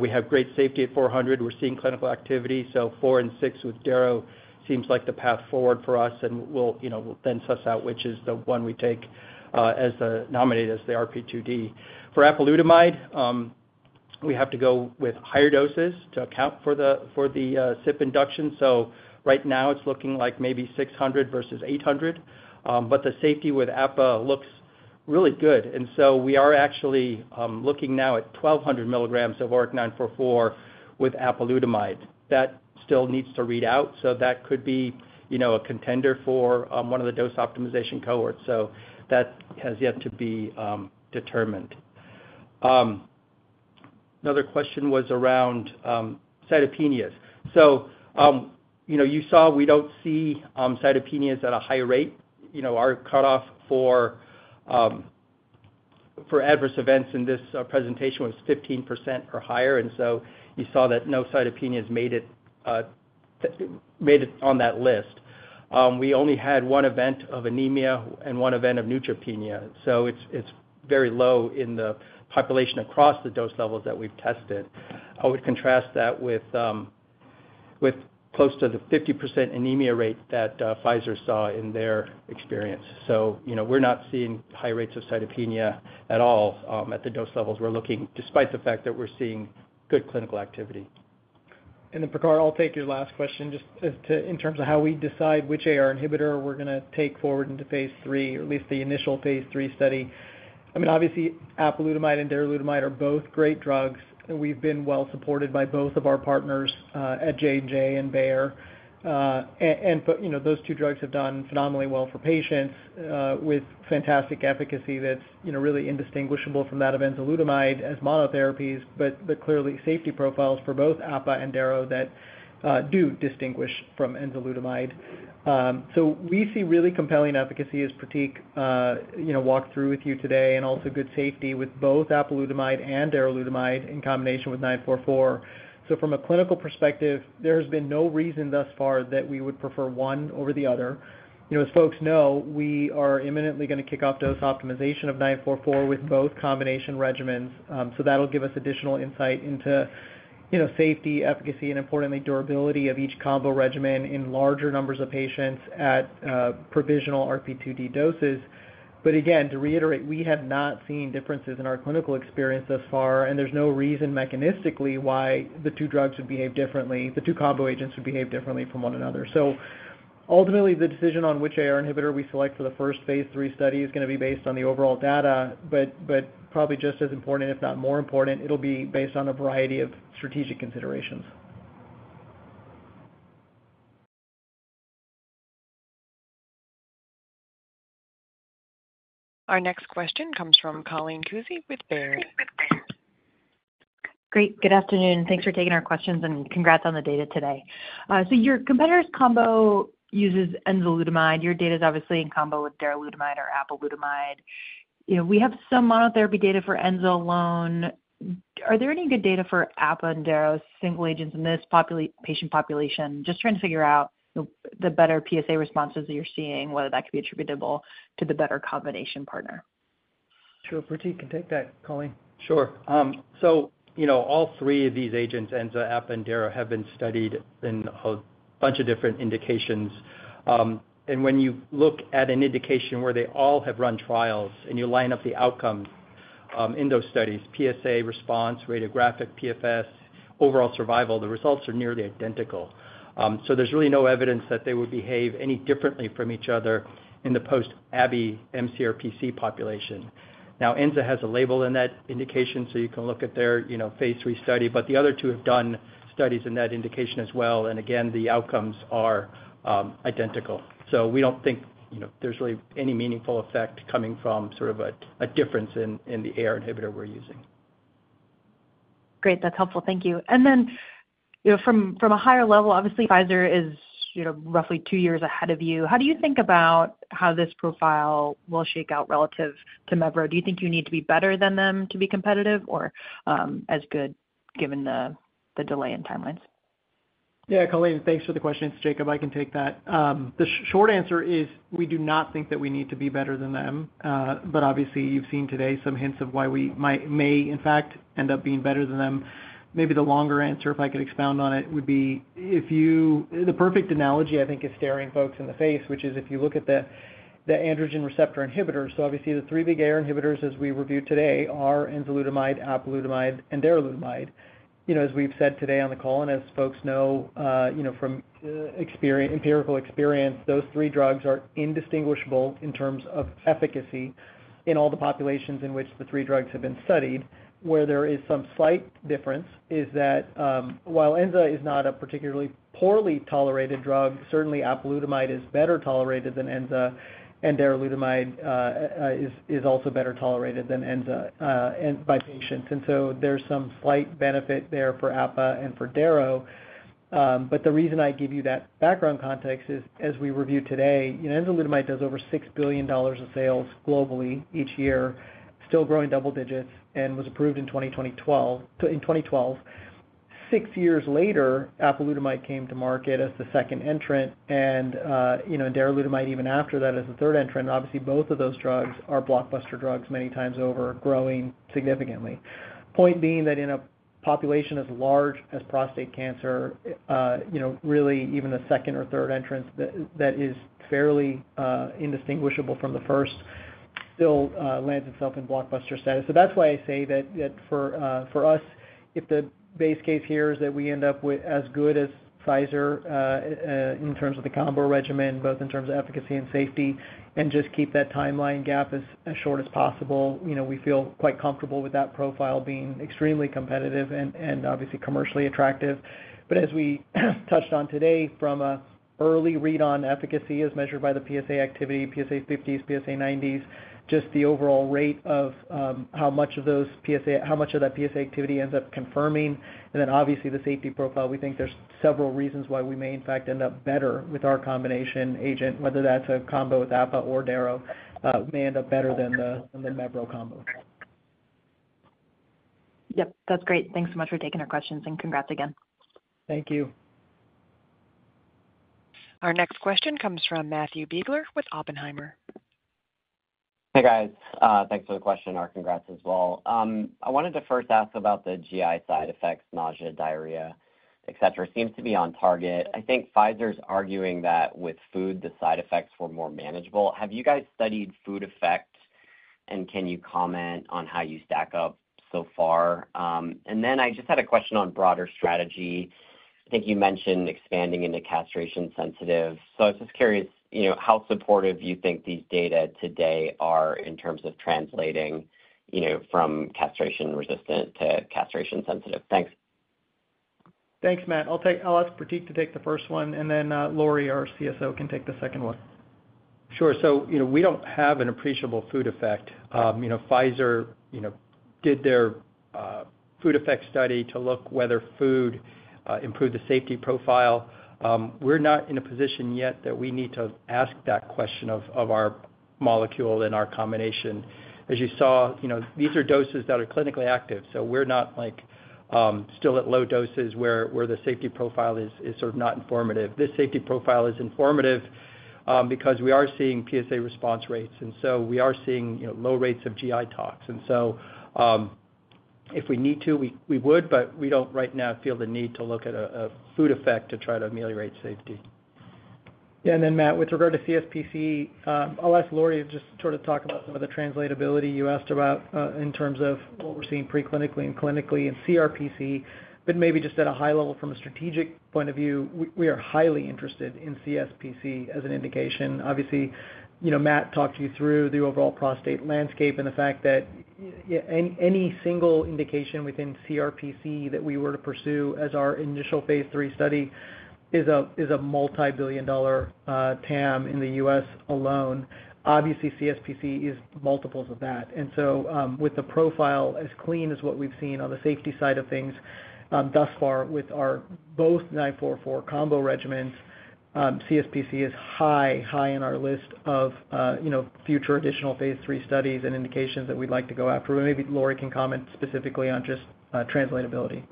We have great safety at 400. We're seeing clinical activity. So 4 and 6 with darolutamide seems like the path forward for us. We'll then suss out which is the one we take as the nominated as the RP2D. For apalutamide, we have to go with higher doses to account for the CYP induction. Right now, it's looking like maybe 600 versus 800. The safety with apalutamide looks really good. We are actually looking now at 1,200 mgs of ORIC-944 with apalutamide. That still needs to read out. That could be a contender for one of the dose optimization cohorts. That has yet to be determined. Another question was around cytopenias. You saw we don't see cytopenias at a high rate. Our cutoff for adverse events in this presentation was 15% or higher. You saw that no cytopenias made it on that list. We only had one event of anemia and one event of neutropenia. It's very low in the population across the dose levels that we've tested. I would contrast that with close to the 50% anemia rate that Pfizer saw in their experience. We're not seeing high rates of cytopenia at all at the dose levels we're looking, despite the fact that we're seeing good clinical activity. Pratik, I'll take your last question just in terms of how we decide which AR inhibitor we're going to take forward into phase III, or at least the initial phase III study. I mean, obviously, apalutamide and darolutamide are both great drugs. We've been well supported by both of our partners at J&J and Bayer. Those two drugs have done phenomenally well for patients with fantastic efficacy that's really indistinguishable from that of enzalutamide as monotherapies, but clearly safety profiles for both apalutamide and darolutamide that do distinguish from enzalutamide. We see really compelling efficacy as Pratik walked through with you today and also good safety with both apalutamide and darolutamide in combination with 944. From a clinical perspective, there has been no reason thus far that we would prefer one over the other. As folks know, we are imminently going to kick off dose optimization of 944 with both combination regimens. That will give us additional insight into safety, efficacy, and importantly, durability of each combo regimen in larger numbers of patients at provisional RP2D doses. Again, to reiterate, we have not seen differences in our clinical experience thus far. There is no reason mechanistically why the two drugs would behave differently, the two combo agents would behave differently from one another. Ultimately, the decision on which AR inhibitor we select for the first phase III study is going to be based on the overall data. Probably just as important, if not more important, it'll be based on a variety of strategic considerations. Our next question comes from Colleen Kusy with Baird. Great. Good afternoon. Thanks for taking our questions, and congrats on the data today. Your competitor's combo uses enzalutamide. Your data is obviously in combo with darolutamide or apalutamide. We have some monotherapy data for enzalutamide alone. Are there any good data for apalutamide and darolutamide single agents in this patient population? Just trying to figure out the better PSA responses that you're seeing, whether that could be attributable to the better combination partner. Sure. Pratik, you can take that, Colleen. Sure. All three of these agents, enzalutamide, apalutamide, and darolutamide, have been studied in a bunch of different indications. When you look at an indication where they all have run trials and you line up the outcomes in those studies, PSA response, radiographic PFS, overall survival, the results are nearly identical. There is really no evidence that they would behave any differently from each other in the post-abiraterone mCRPC population. Now, enzalutamide has a label in that indication, so you can look at their phase III study. The other two have done studies in that indication as well. Again, the outcomes are identical. We do not think there is really any meaningful effect coming from sort of a difference in the AR inhibitor we are using. Great. That is helpful. Thank you. From a higher level, obviously, Pfizer is roughly two years ahead of you. How do you think about how this profile will shake out relative to mevrometastat? Do you think you need to be better than them to be competitive or as good given the delay in timelines? Yeah. Colleen, thanks for the question. It's Jacob. I can take that. The short answer is we do not think that we need to be better than them. Obviously, you've seen today some hints of why we may, in fact, end up being better than them. Maybe the longer answer, if I could expound on it, would be the perfect analogy, I think, is staring folks in the face, which is if you look at the androgen receptor inhibitors. Obviously, the three big AR inhibitors, as we reviewed today, are enzalutamide, apalutamide, and darolutamide. As we've said today on the call, and as folks know from empirical experience, those three drugs are indistinguishable in terms of efficacy in all the populations in which the three drugs have been studied. Where there is some slight difference is that while enzalutamide is not a particularly poorly tolerated drug, certainly apalutamide is better tolerated than enzalutamide, and darolutamide is also better tolerated than enzalutamide by patients. There is some slight benefit there for apalutamide and for darolutamide. The reason I give you that background context is, as we reviewed today, enzalutamide does over $6 billion of sales globally each year, still growing double digits, and was approved in 2012. Six years later, apalutamide came to market as the second entrant, and darolutamide even after that as the third entrant. Obviously, both of those drugs are blockbuster drugs many times over, growing significantly. Point being that in a population as large as prostate cancer, really even the second or third entrants that is fairly indistinguishable from the first still lands itself in blockbuster status. That is why I say that for us, if the base case here is that we end up as good as Pfizer in terms of the combo regimen, both in terms of efficacy and safety, and just keep that timeline gap as short as possible, we feel quite comfortable with that profile being extremely competitive and obviously commercially attractive. As we touched on today, from an early read on efficacy as measured by the PSA activity, PSA50s, PSA90s, just the overall rate of how much of that PSA activity ends up confirming, and then obviously the safety profile, we think there's several reasons why we may, in fact, end up better with our combination agent, whether that's a combo with apalutamide or darolutamide, may end up better than the mevrometastat combo. Yep. That's great. Thanks so much for taking our questions, and congrats again. Thank you. Our next question comes from Matthew Biegler with Oppenheimer. Hey, guys. Thanks for the question. Our congrats as well. I wanted to first ask about the GI side effects, nausea, diarrhea, etc. Seems to be on target. I think Pfizer's arguing that with food, the side effects were more manageable. Have you guys studied food effects, and can you comment on how you stack up so far? I just had a question on broader strategy. I think you mentioned expanding into castration-sensitive. I was just curious how supportive you think these data today are in terms of translating from castration-resistant to castration-sensitive. Thanks. Thanks, Matt. I'll ask Pratik to take the first one. Lori, our CSO, can take the second one. Sure. We do not have an appreciable food effect. Pfizer did their food effect study to look whether food improved the safety profile. We are not in a position yet that we need to ask that question of our molecule and our combination. As you saw, these are doses that are clinically active. We are not still at low doses where the safety profile is sort of not informative. This safety profile is informative because we are seeing PSA response rates. We are seeing low rates of GI tox. If we need to, we would, but we do not right now feel the need to look at a food effect to try to ameliorate safety. Yeah. Matt, with regard to CSPC, I'll ask Lori to just sort of talk about some of the translatability you asked about in terms of what we're seeing preclinically and clinically in CRPC. Maybe just at a high level from a strategic point of view, we are highly interested in CSPC as an indication. Obviously, Matt talked you through the overall prostate landscape and the fact that any single indication within CRPC that we were to pursue as our initial phase III study is a multi-billion dollar TAM in the U.S. alone. Obviously, CSPC is multiples of that. With the profile as clean as what we've seen on the safety side of things thus far with our both 944 combo regimens, CSPC is high, high in our list of future additional phase III studies and indications that we'd like to go after. Maybe Lori can comment specifically on just translatability.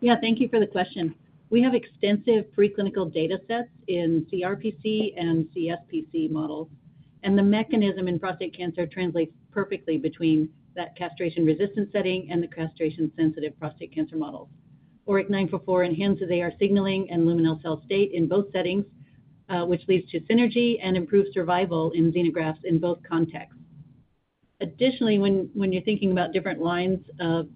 Yeah. Thank you for the question. We have extensive preclinical data sets in CRPC and CSPC models. And the mechanism in prostate cancer translates perfectly between that castration-resistant setting and the castration-sensitive prostate cancer models. ORIC-944 enhanced the AR signaling and luminal cell state in both settings, which leads to synergy and improved survival in xenografts in both contexts. Additionally, when you're thinking about different lines of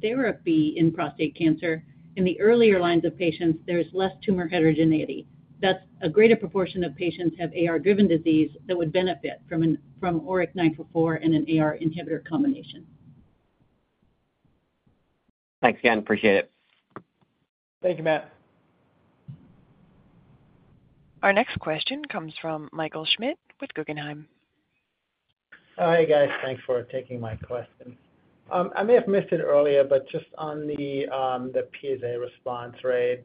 therapy in prostate cancer, in the earlier lines of patients, there's less tumor heterogeneity. That's a greater proportion of patients who have AR-driven disease that would benefit from ORIC-944 and an AR inhibitor combination. Thanks again. Appreciate it. Thank you, Matt. Our next question comes from Michael Schmidt with Guggenheim. Oh, hey, guys. Thanks for taking my question. I may have missed it earlier, but just on the PSA response rate,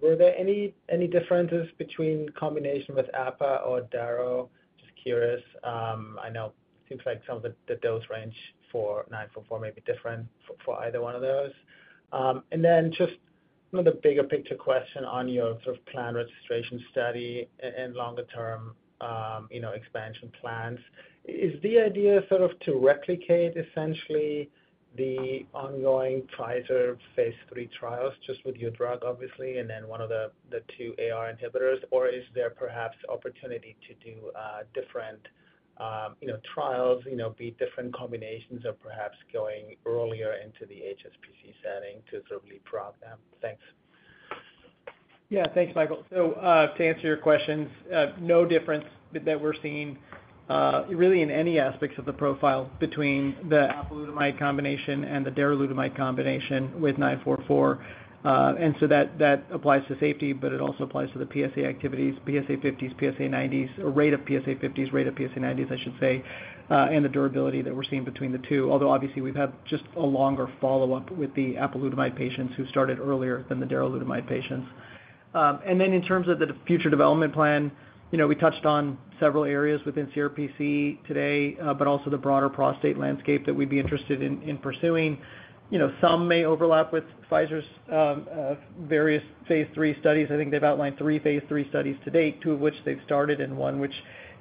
were there any differences between combination with apalutamide or darolutamide? Just curious. I know it seems like some of the dose range for 944 may be different for either one of those. And then just another bigger picture question on your sort of planned registration study and longer-term expansion plans. Is the idea sort of to replicate essentially the ongoing Pfizer phase III trials just with your drug, obviously, and then one of the two AR inhibitors? Is there perhaps opportunity to do different trials, be different combinations, or perhaps going earlier into the HSPC setting to sort of leapfrog them? Thanks. Yeah. Thanks, Michael. To answer your questions, no difference that we're seeing really in any aspects of the profile between the apalutamide combination and the darolutamide combination with 944. That applies to safety, but it also applies to the PSA activities, PSA50s, PSA90s, rate of PSA50s, rate of PSA90s, I should say, and the durability that we're seeing between the two. Although obviously, we've had just a longer follow-up with the apalutamide patients who started earlier than the darolutamide patients. In terms of the future development plan, we touched on several areas within CRPC today, but also the broader prostate landscape that we'd be interested in pursuing. Some may overlap with Pfizer's various phase III studies. I think they've outlined three phase III studies to date, two of which they've started and one which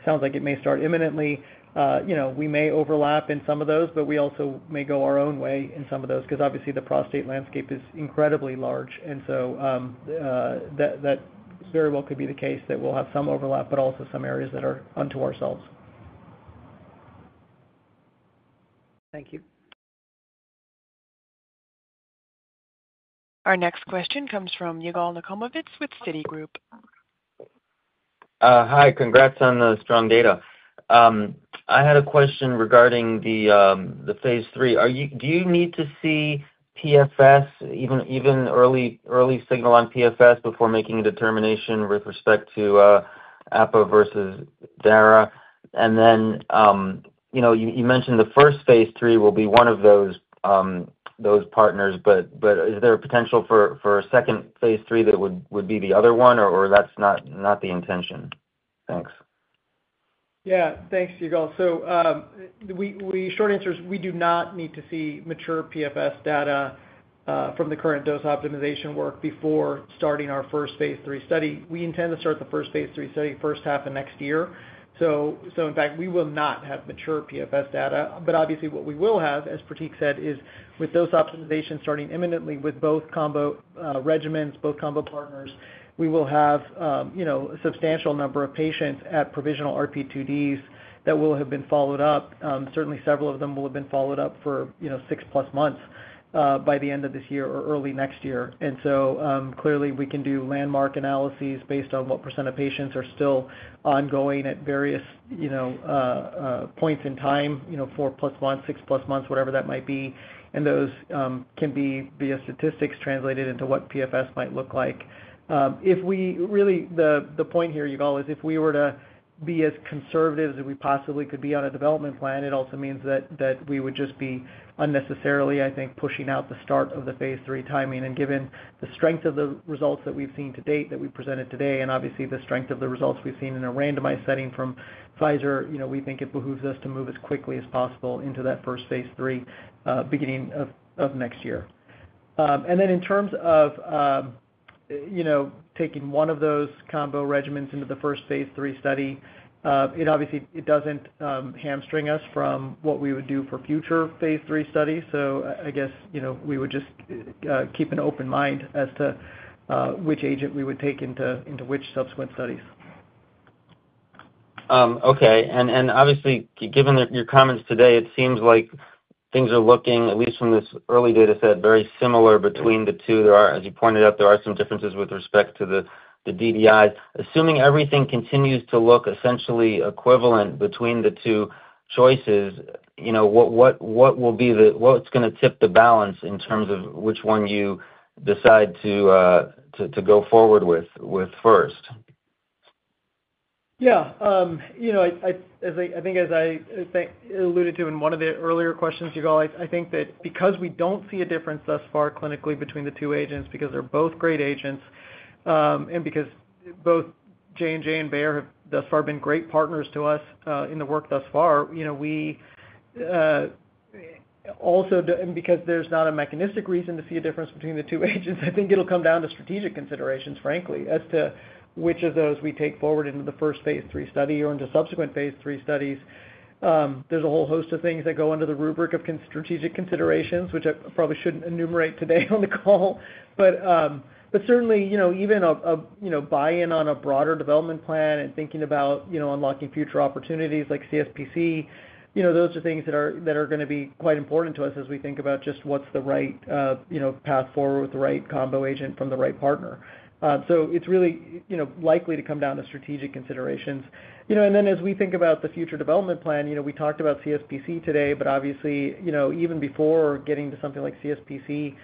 sounds like it may start imminently. We may overlap in some of those, but we also may go our own way in some of those because obviously, the prostate landscape is incredibly large. That very well could be the case that we'll have some overlap, but also some areas that are unto ourselves. Thank you. Our next question comes from Yigal Nochomovitz with Citi. Hi. Congrats on the strong data. I had a question regarding the phase III. Do you need to see PFS, even early signal on PFS, before making a determination with respect to apalutamide versus darolutamide? You mentioned the first phase III will be one of those partners, but is there a potential for a second phase III that would be the other one, or that's not the intention? Thanks. Yeah. Thanks, Yigal. Short answer is we do not need to see mature PFS data from the current dose optimization work before starting our first phase III study. We intend to start the first phase III study first half of next year. In fact, we will not have mature PFS data. Obviously, what we will have, as Pratik said, is with dose optimization starting imminently with both combo regimens, both combo partners, we will have a substantial number of patients at provisional RP2Ds that will have been followed up. Certainly, several of them will have been followed up for six-plus months by the end of this year or early next year. Clearly, we can do landmark analyses based on what % of patients are still ongoing at various points in time, four-plus months, six-plus months, whatever that might be. Those can be via statistics translated into what PFS might look like. Really, the point here, Yigal, is if we were to be as conservative as we possibly could be on a development plan, it also means that we would just be unnecessarily, I think, pushing out the start of the phase III timing. Given the strength of the results that we've seen to date that we presented today, and obviously, the strength of the results we've seen in a randomized setting from Pfizer, we think it behooves us to move as quickly as possible into that first phase III beginning of next year. In terms of taking one of those combo regimens into the first phase III study, it obviously does not hamstring us from what we would do for future phase III studies. I guess we would just keep an open mind as to which agent we would take into which subsequent studies. Okay. Obviously, given your comments today, it seems like things are looking, at least from this early data set, very similar between the two. As you pointed out, there are some differences with respect to the DDIs. Assuming everything continues to look essentially equivalent between the two choices, what is going to tip the balance in terms of which one you decide to go forward with first? Yeah. I think as I alluded to in one of the earlier questions, Yigal, I think that because we don't see a difference thus far clinically between the two agents, because they're both great agents, and because both J&J and Bayer have thus far been great partners to us in the work thus far, we also because there's not a mechanistic reason to see a difference between the two agents, I think it'll come down to strategic considerations, frankly, as to which of those we take forward into the first phase III study or into subsequent phase III studies. There's a whole host of things that go under the rubric of strategic considerations, which I probably shouldn't enumerate today on the call. Certainly, even a buy-in on a broader development plan and thinking about unlocking future opportunities like CSPC, those are things that are going to be quite important to us as we think about just what's the right path forward with the right combo agent from the right partner. It is really likely to come down to strategic considerations. As we think about the future development plan, we talked about CSPC today, but obviously, even before getting to something like CSPC,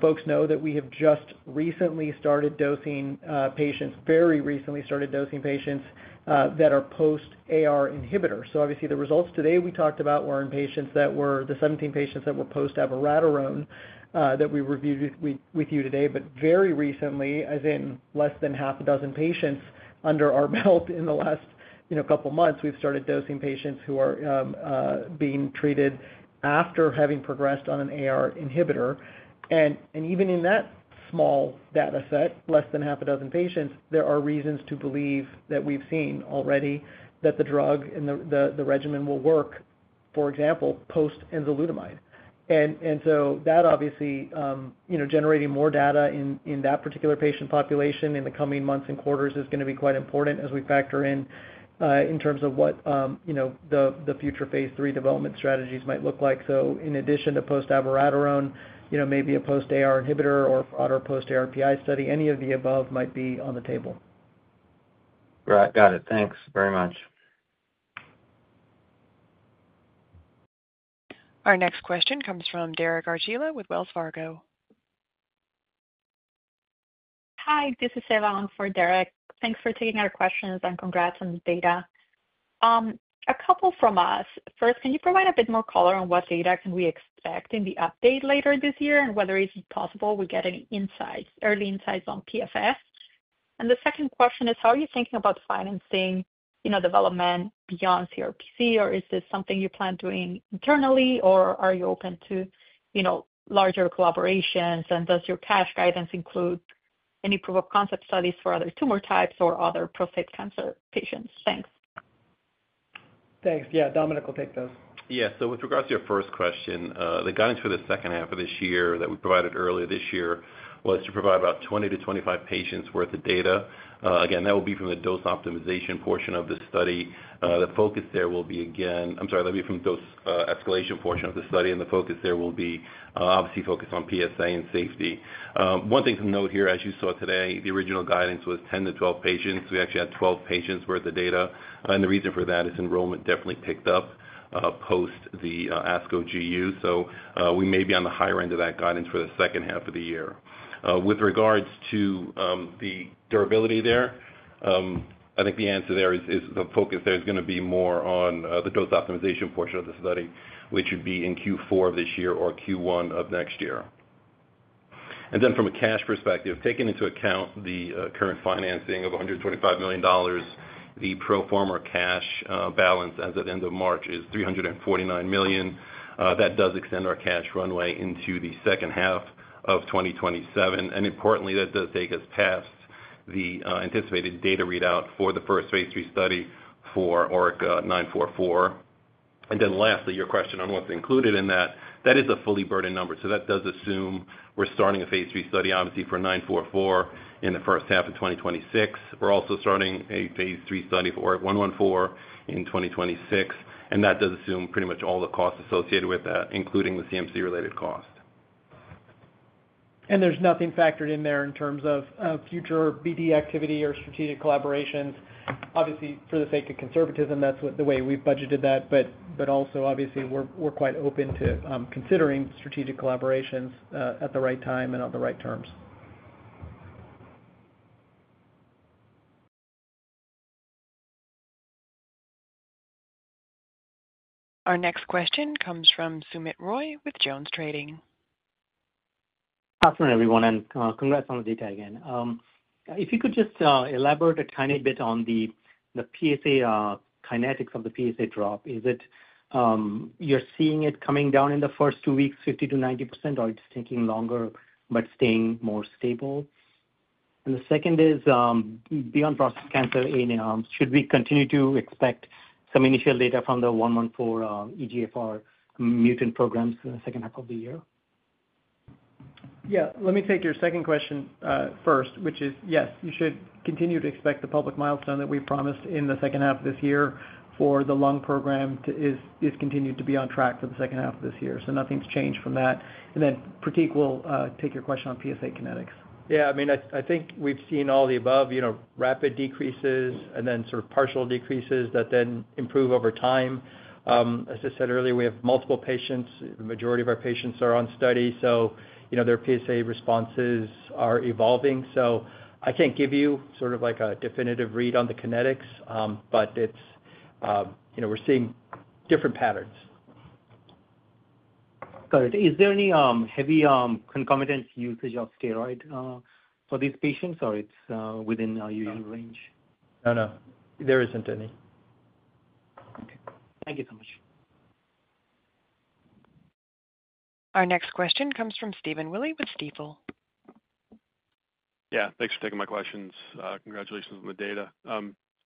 folks know that we have just recently started dosing patients, very recently started dosing patients that are post-AR inhibitor. Obviously, the results today we talked about were in patients that were the 17 patients that were post-abiraterone that we reviewed with you today. Very recently, as in less than half a dozen patients under our belt in the last couple of months, we've started dosing patients who are being treated after having progressed on an AR inhibitor. Even in that small data set, less than half a dozen patients, there are reasons to believe that we've seen already that the drug and the regimen will work, for example, post-enzalutamide. That obviously generating more data in that particular patient population in the coming months and quarters is going to be quite important as we factor in in terms of what the future phase III development strategies might look like. In addition to post-abiraterone, maybe a post-AR inhibitor or a broader post-ARPI study, any of the above might be on the table. Right. Got it. Thanks very much. Our next question comes from Derek Argila with Wells Fargo. Hi. This is Evon for Derek. Thanks for taking our questions and congrats on the data. A couple from us. First, can you provide a bit more color on what data can we expect in the update later this year and whether it's possible we get any insights, early insights on PFS? The second question is, how are you thinking about financing development beyond CRPC? Is this something you plan doing internally, or are you open to larger collaborations? Does your cash guidance include any proof of concept studies for other tumor types or other prostate cancer patients? Thanks. Yeah. Dominic, I'll take those. Yeah. With regards to your first question, the guidance for the second half of this year that we provided earlier this year was to provide about 20-25 patients' worth of data. Again, that will be from the dose optimization portion of the study. The focus there will be again, I'm sorry, that'll be from the dose escalation portion of the study. The focus there will be obviously focused on PSA and safety. One thing to note here, as you saw today, the original guidance was 10-12 patients. We actually had 12 patients' worth of data. The reason for that is enrollment definitely picked up post the ASCO GU. We may be on the higher end of that guidance for the second half of the year. With regards to the durability there, I think the answer there is the focus there is going to be more on the dose optimization portion of the study, which would be in Q4 of this year or Q1 of next year. From a cash perspective, taking into account the current financing of $125 million, the pro forma cash balance as of end of March is $349 million. That does extend our cash runway into the second half of 2027. Importantly, that does take us past the anticipated data readout for the first phase III study for ORIC-944. Lastly, your question on what's included in that, that is a fully burdened number. That does assume we're starting a phase III study, obviously, for 944 in the first half of 2026. We're also starting a phase III study for ORIC-114 in 2026. That does assume pretty much all the costs associated with that, including the CMC-related cost. There's nothing factored in there in terms of future BD activity or strategic collaborations. Obviously, for the sake of conservatism, that's the way we've budgeted that. But also, obviously, we're quite open to considering strategic collaborations at the right time and on the right terms. Our next question comes from Soumit Roy with Jones Trading. Afternoon, everyone. And congrats on the data again. If you could just elaborate a tiny bit on the kinetics of the PSA drop, is it you're seeing it coming down in the first two weeks, 50%-90%, or it's taking longer but staying more stable? The second is, beyond prostate cancer, should we continue to expect some initial data from the 114 EGFR mutant programs in the second half of the year? Yeah. Let me take your second question first, which is, yes, you should continue to expect the public milestone that we promised in the second half of this year for the lung program is continued to be on track for the second half of this year. Nothing's changed from that. Pratik will take your question on PSA kinetics. Yeah. I mean, I think we've seen all the above, rapid decreases and then sort of partial decreases that then improve over time. As I said earlier, we have multiple patients. The majority of our patients are on study. Their PSA responses are evolving. I can't give you sort of a definitive read on the kinetics, but we're seeing different patterns. Got it. Is there any heavy concomitant usage of steroid for these patients, or it's within your range? No, no. There isn't any. Okay. Thank you so much. Our next question comes from Stephen Willey with Stifel. Yeah. Thanks for taking my questions. Congratulations on the data.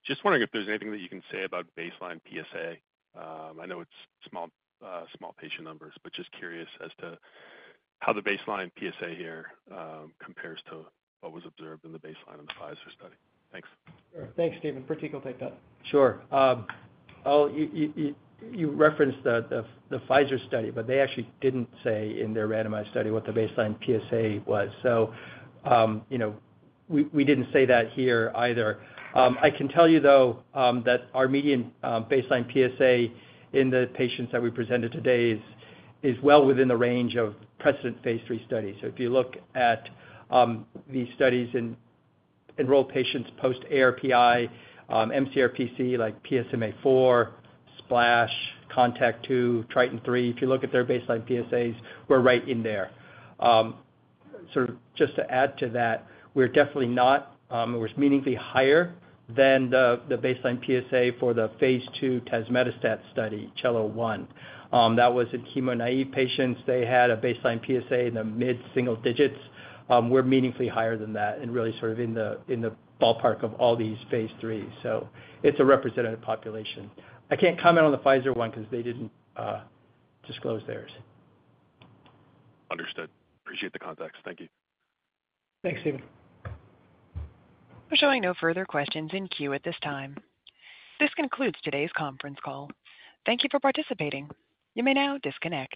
Just wondering if there's anything that you can say about baseline PSA. I know it's small patient numbers, but just curious as to how the baseline PSA here compares to what was observed in the baseline of the Pfizer study. Thanks. Thanks, Stephen. Pratik will take that. Sure. You referenced the Pfizer study, but they actually didn't say in their randomized study what the baseline PSA was. So we didn't say that here either. I can tell you, though, that our median baseline PSA in the patients that we presented today is well within the range of precedent phase III studies. If you look at these studies in enrolled patients post-ARPI, mCRPC like PSMA4, SPLASH, CONTACT2, TRITON3, if you look at their baseline PSAs, we're right in there. Sort of just to add to that, we're definitely not, or it's meaningfully higher than the baseline PSA for the phase II tazemetastat study, CELLO-1. That was in chemo naive patients. They had a baseline PSA in the mid-single digits. We're meaningfully higher than that and really sort of in the ballpark of all these phase IIIs. It is a representative population. I can't comment on the Pfizer one because they didn't disclose theirs. Understood. Appreciate the context. Thank you. Thanks, Stephen. There are only no further questions in queue at this time. This concludes today's conference call. Thank you for participating. You may now disconnect.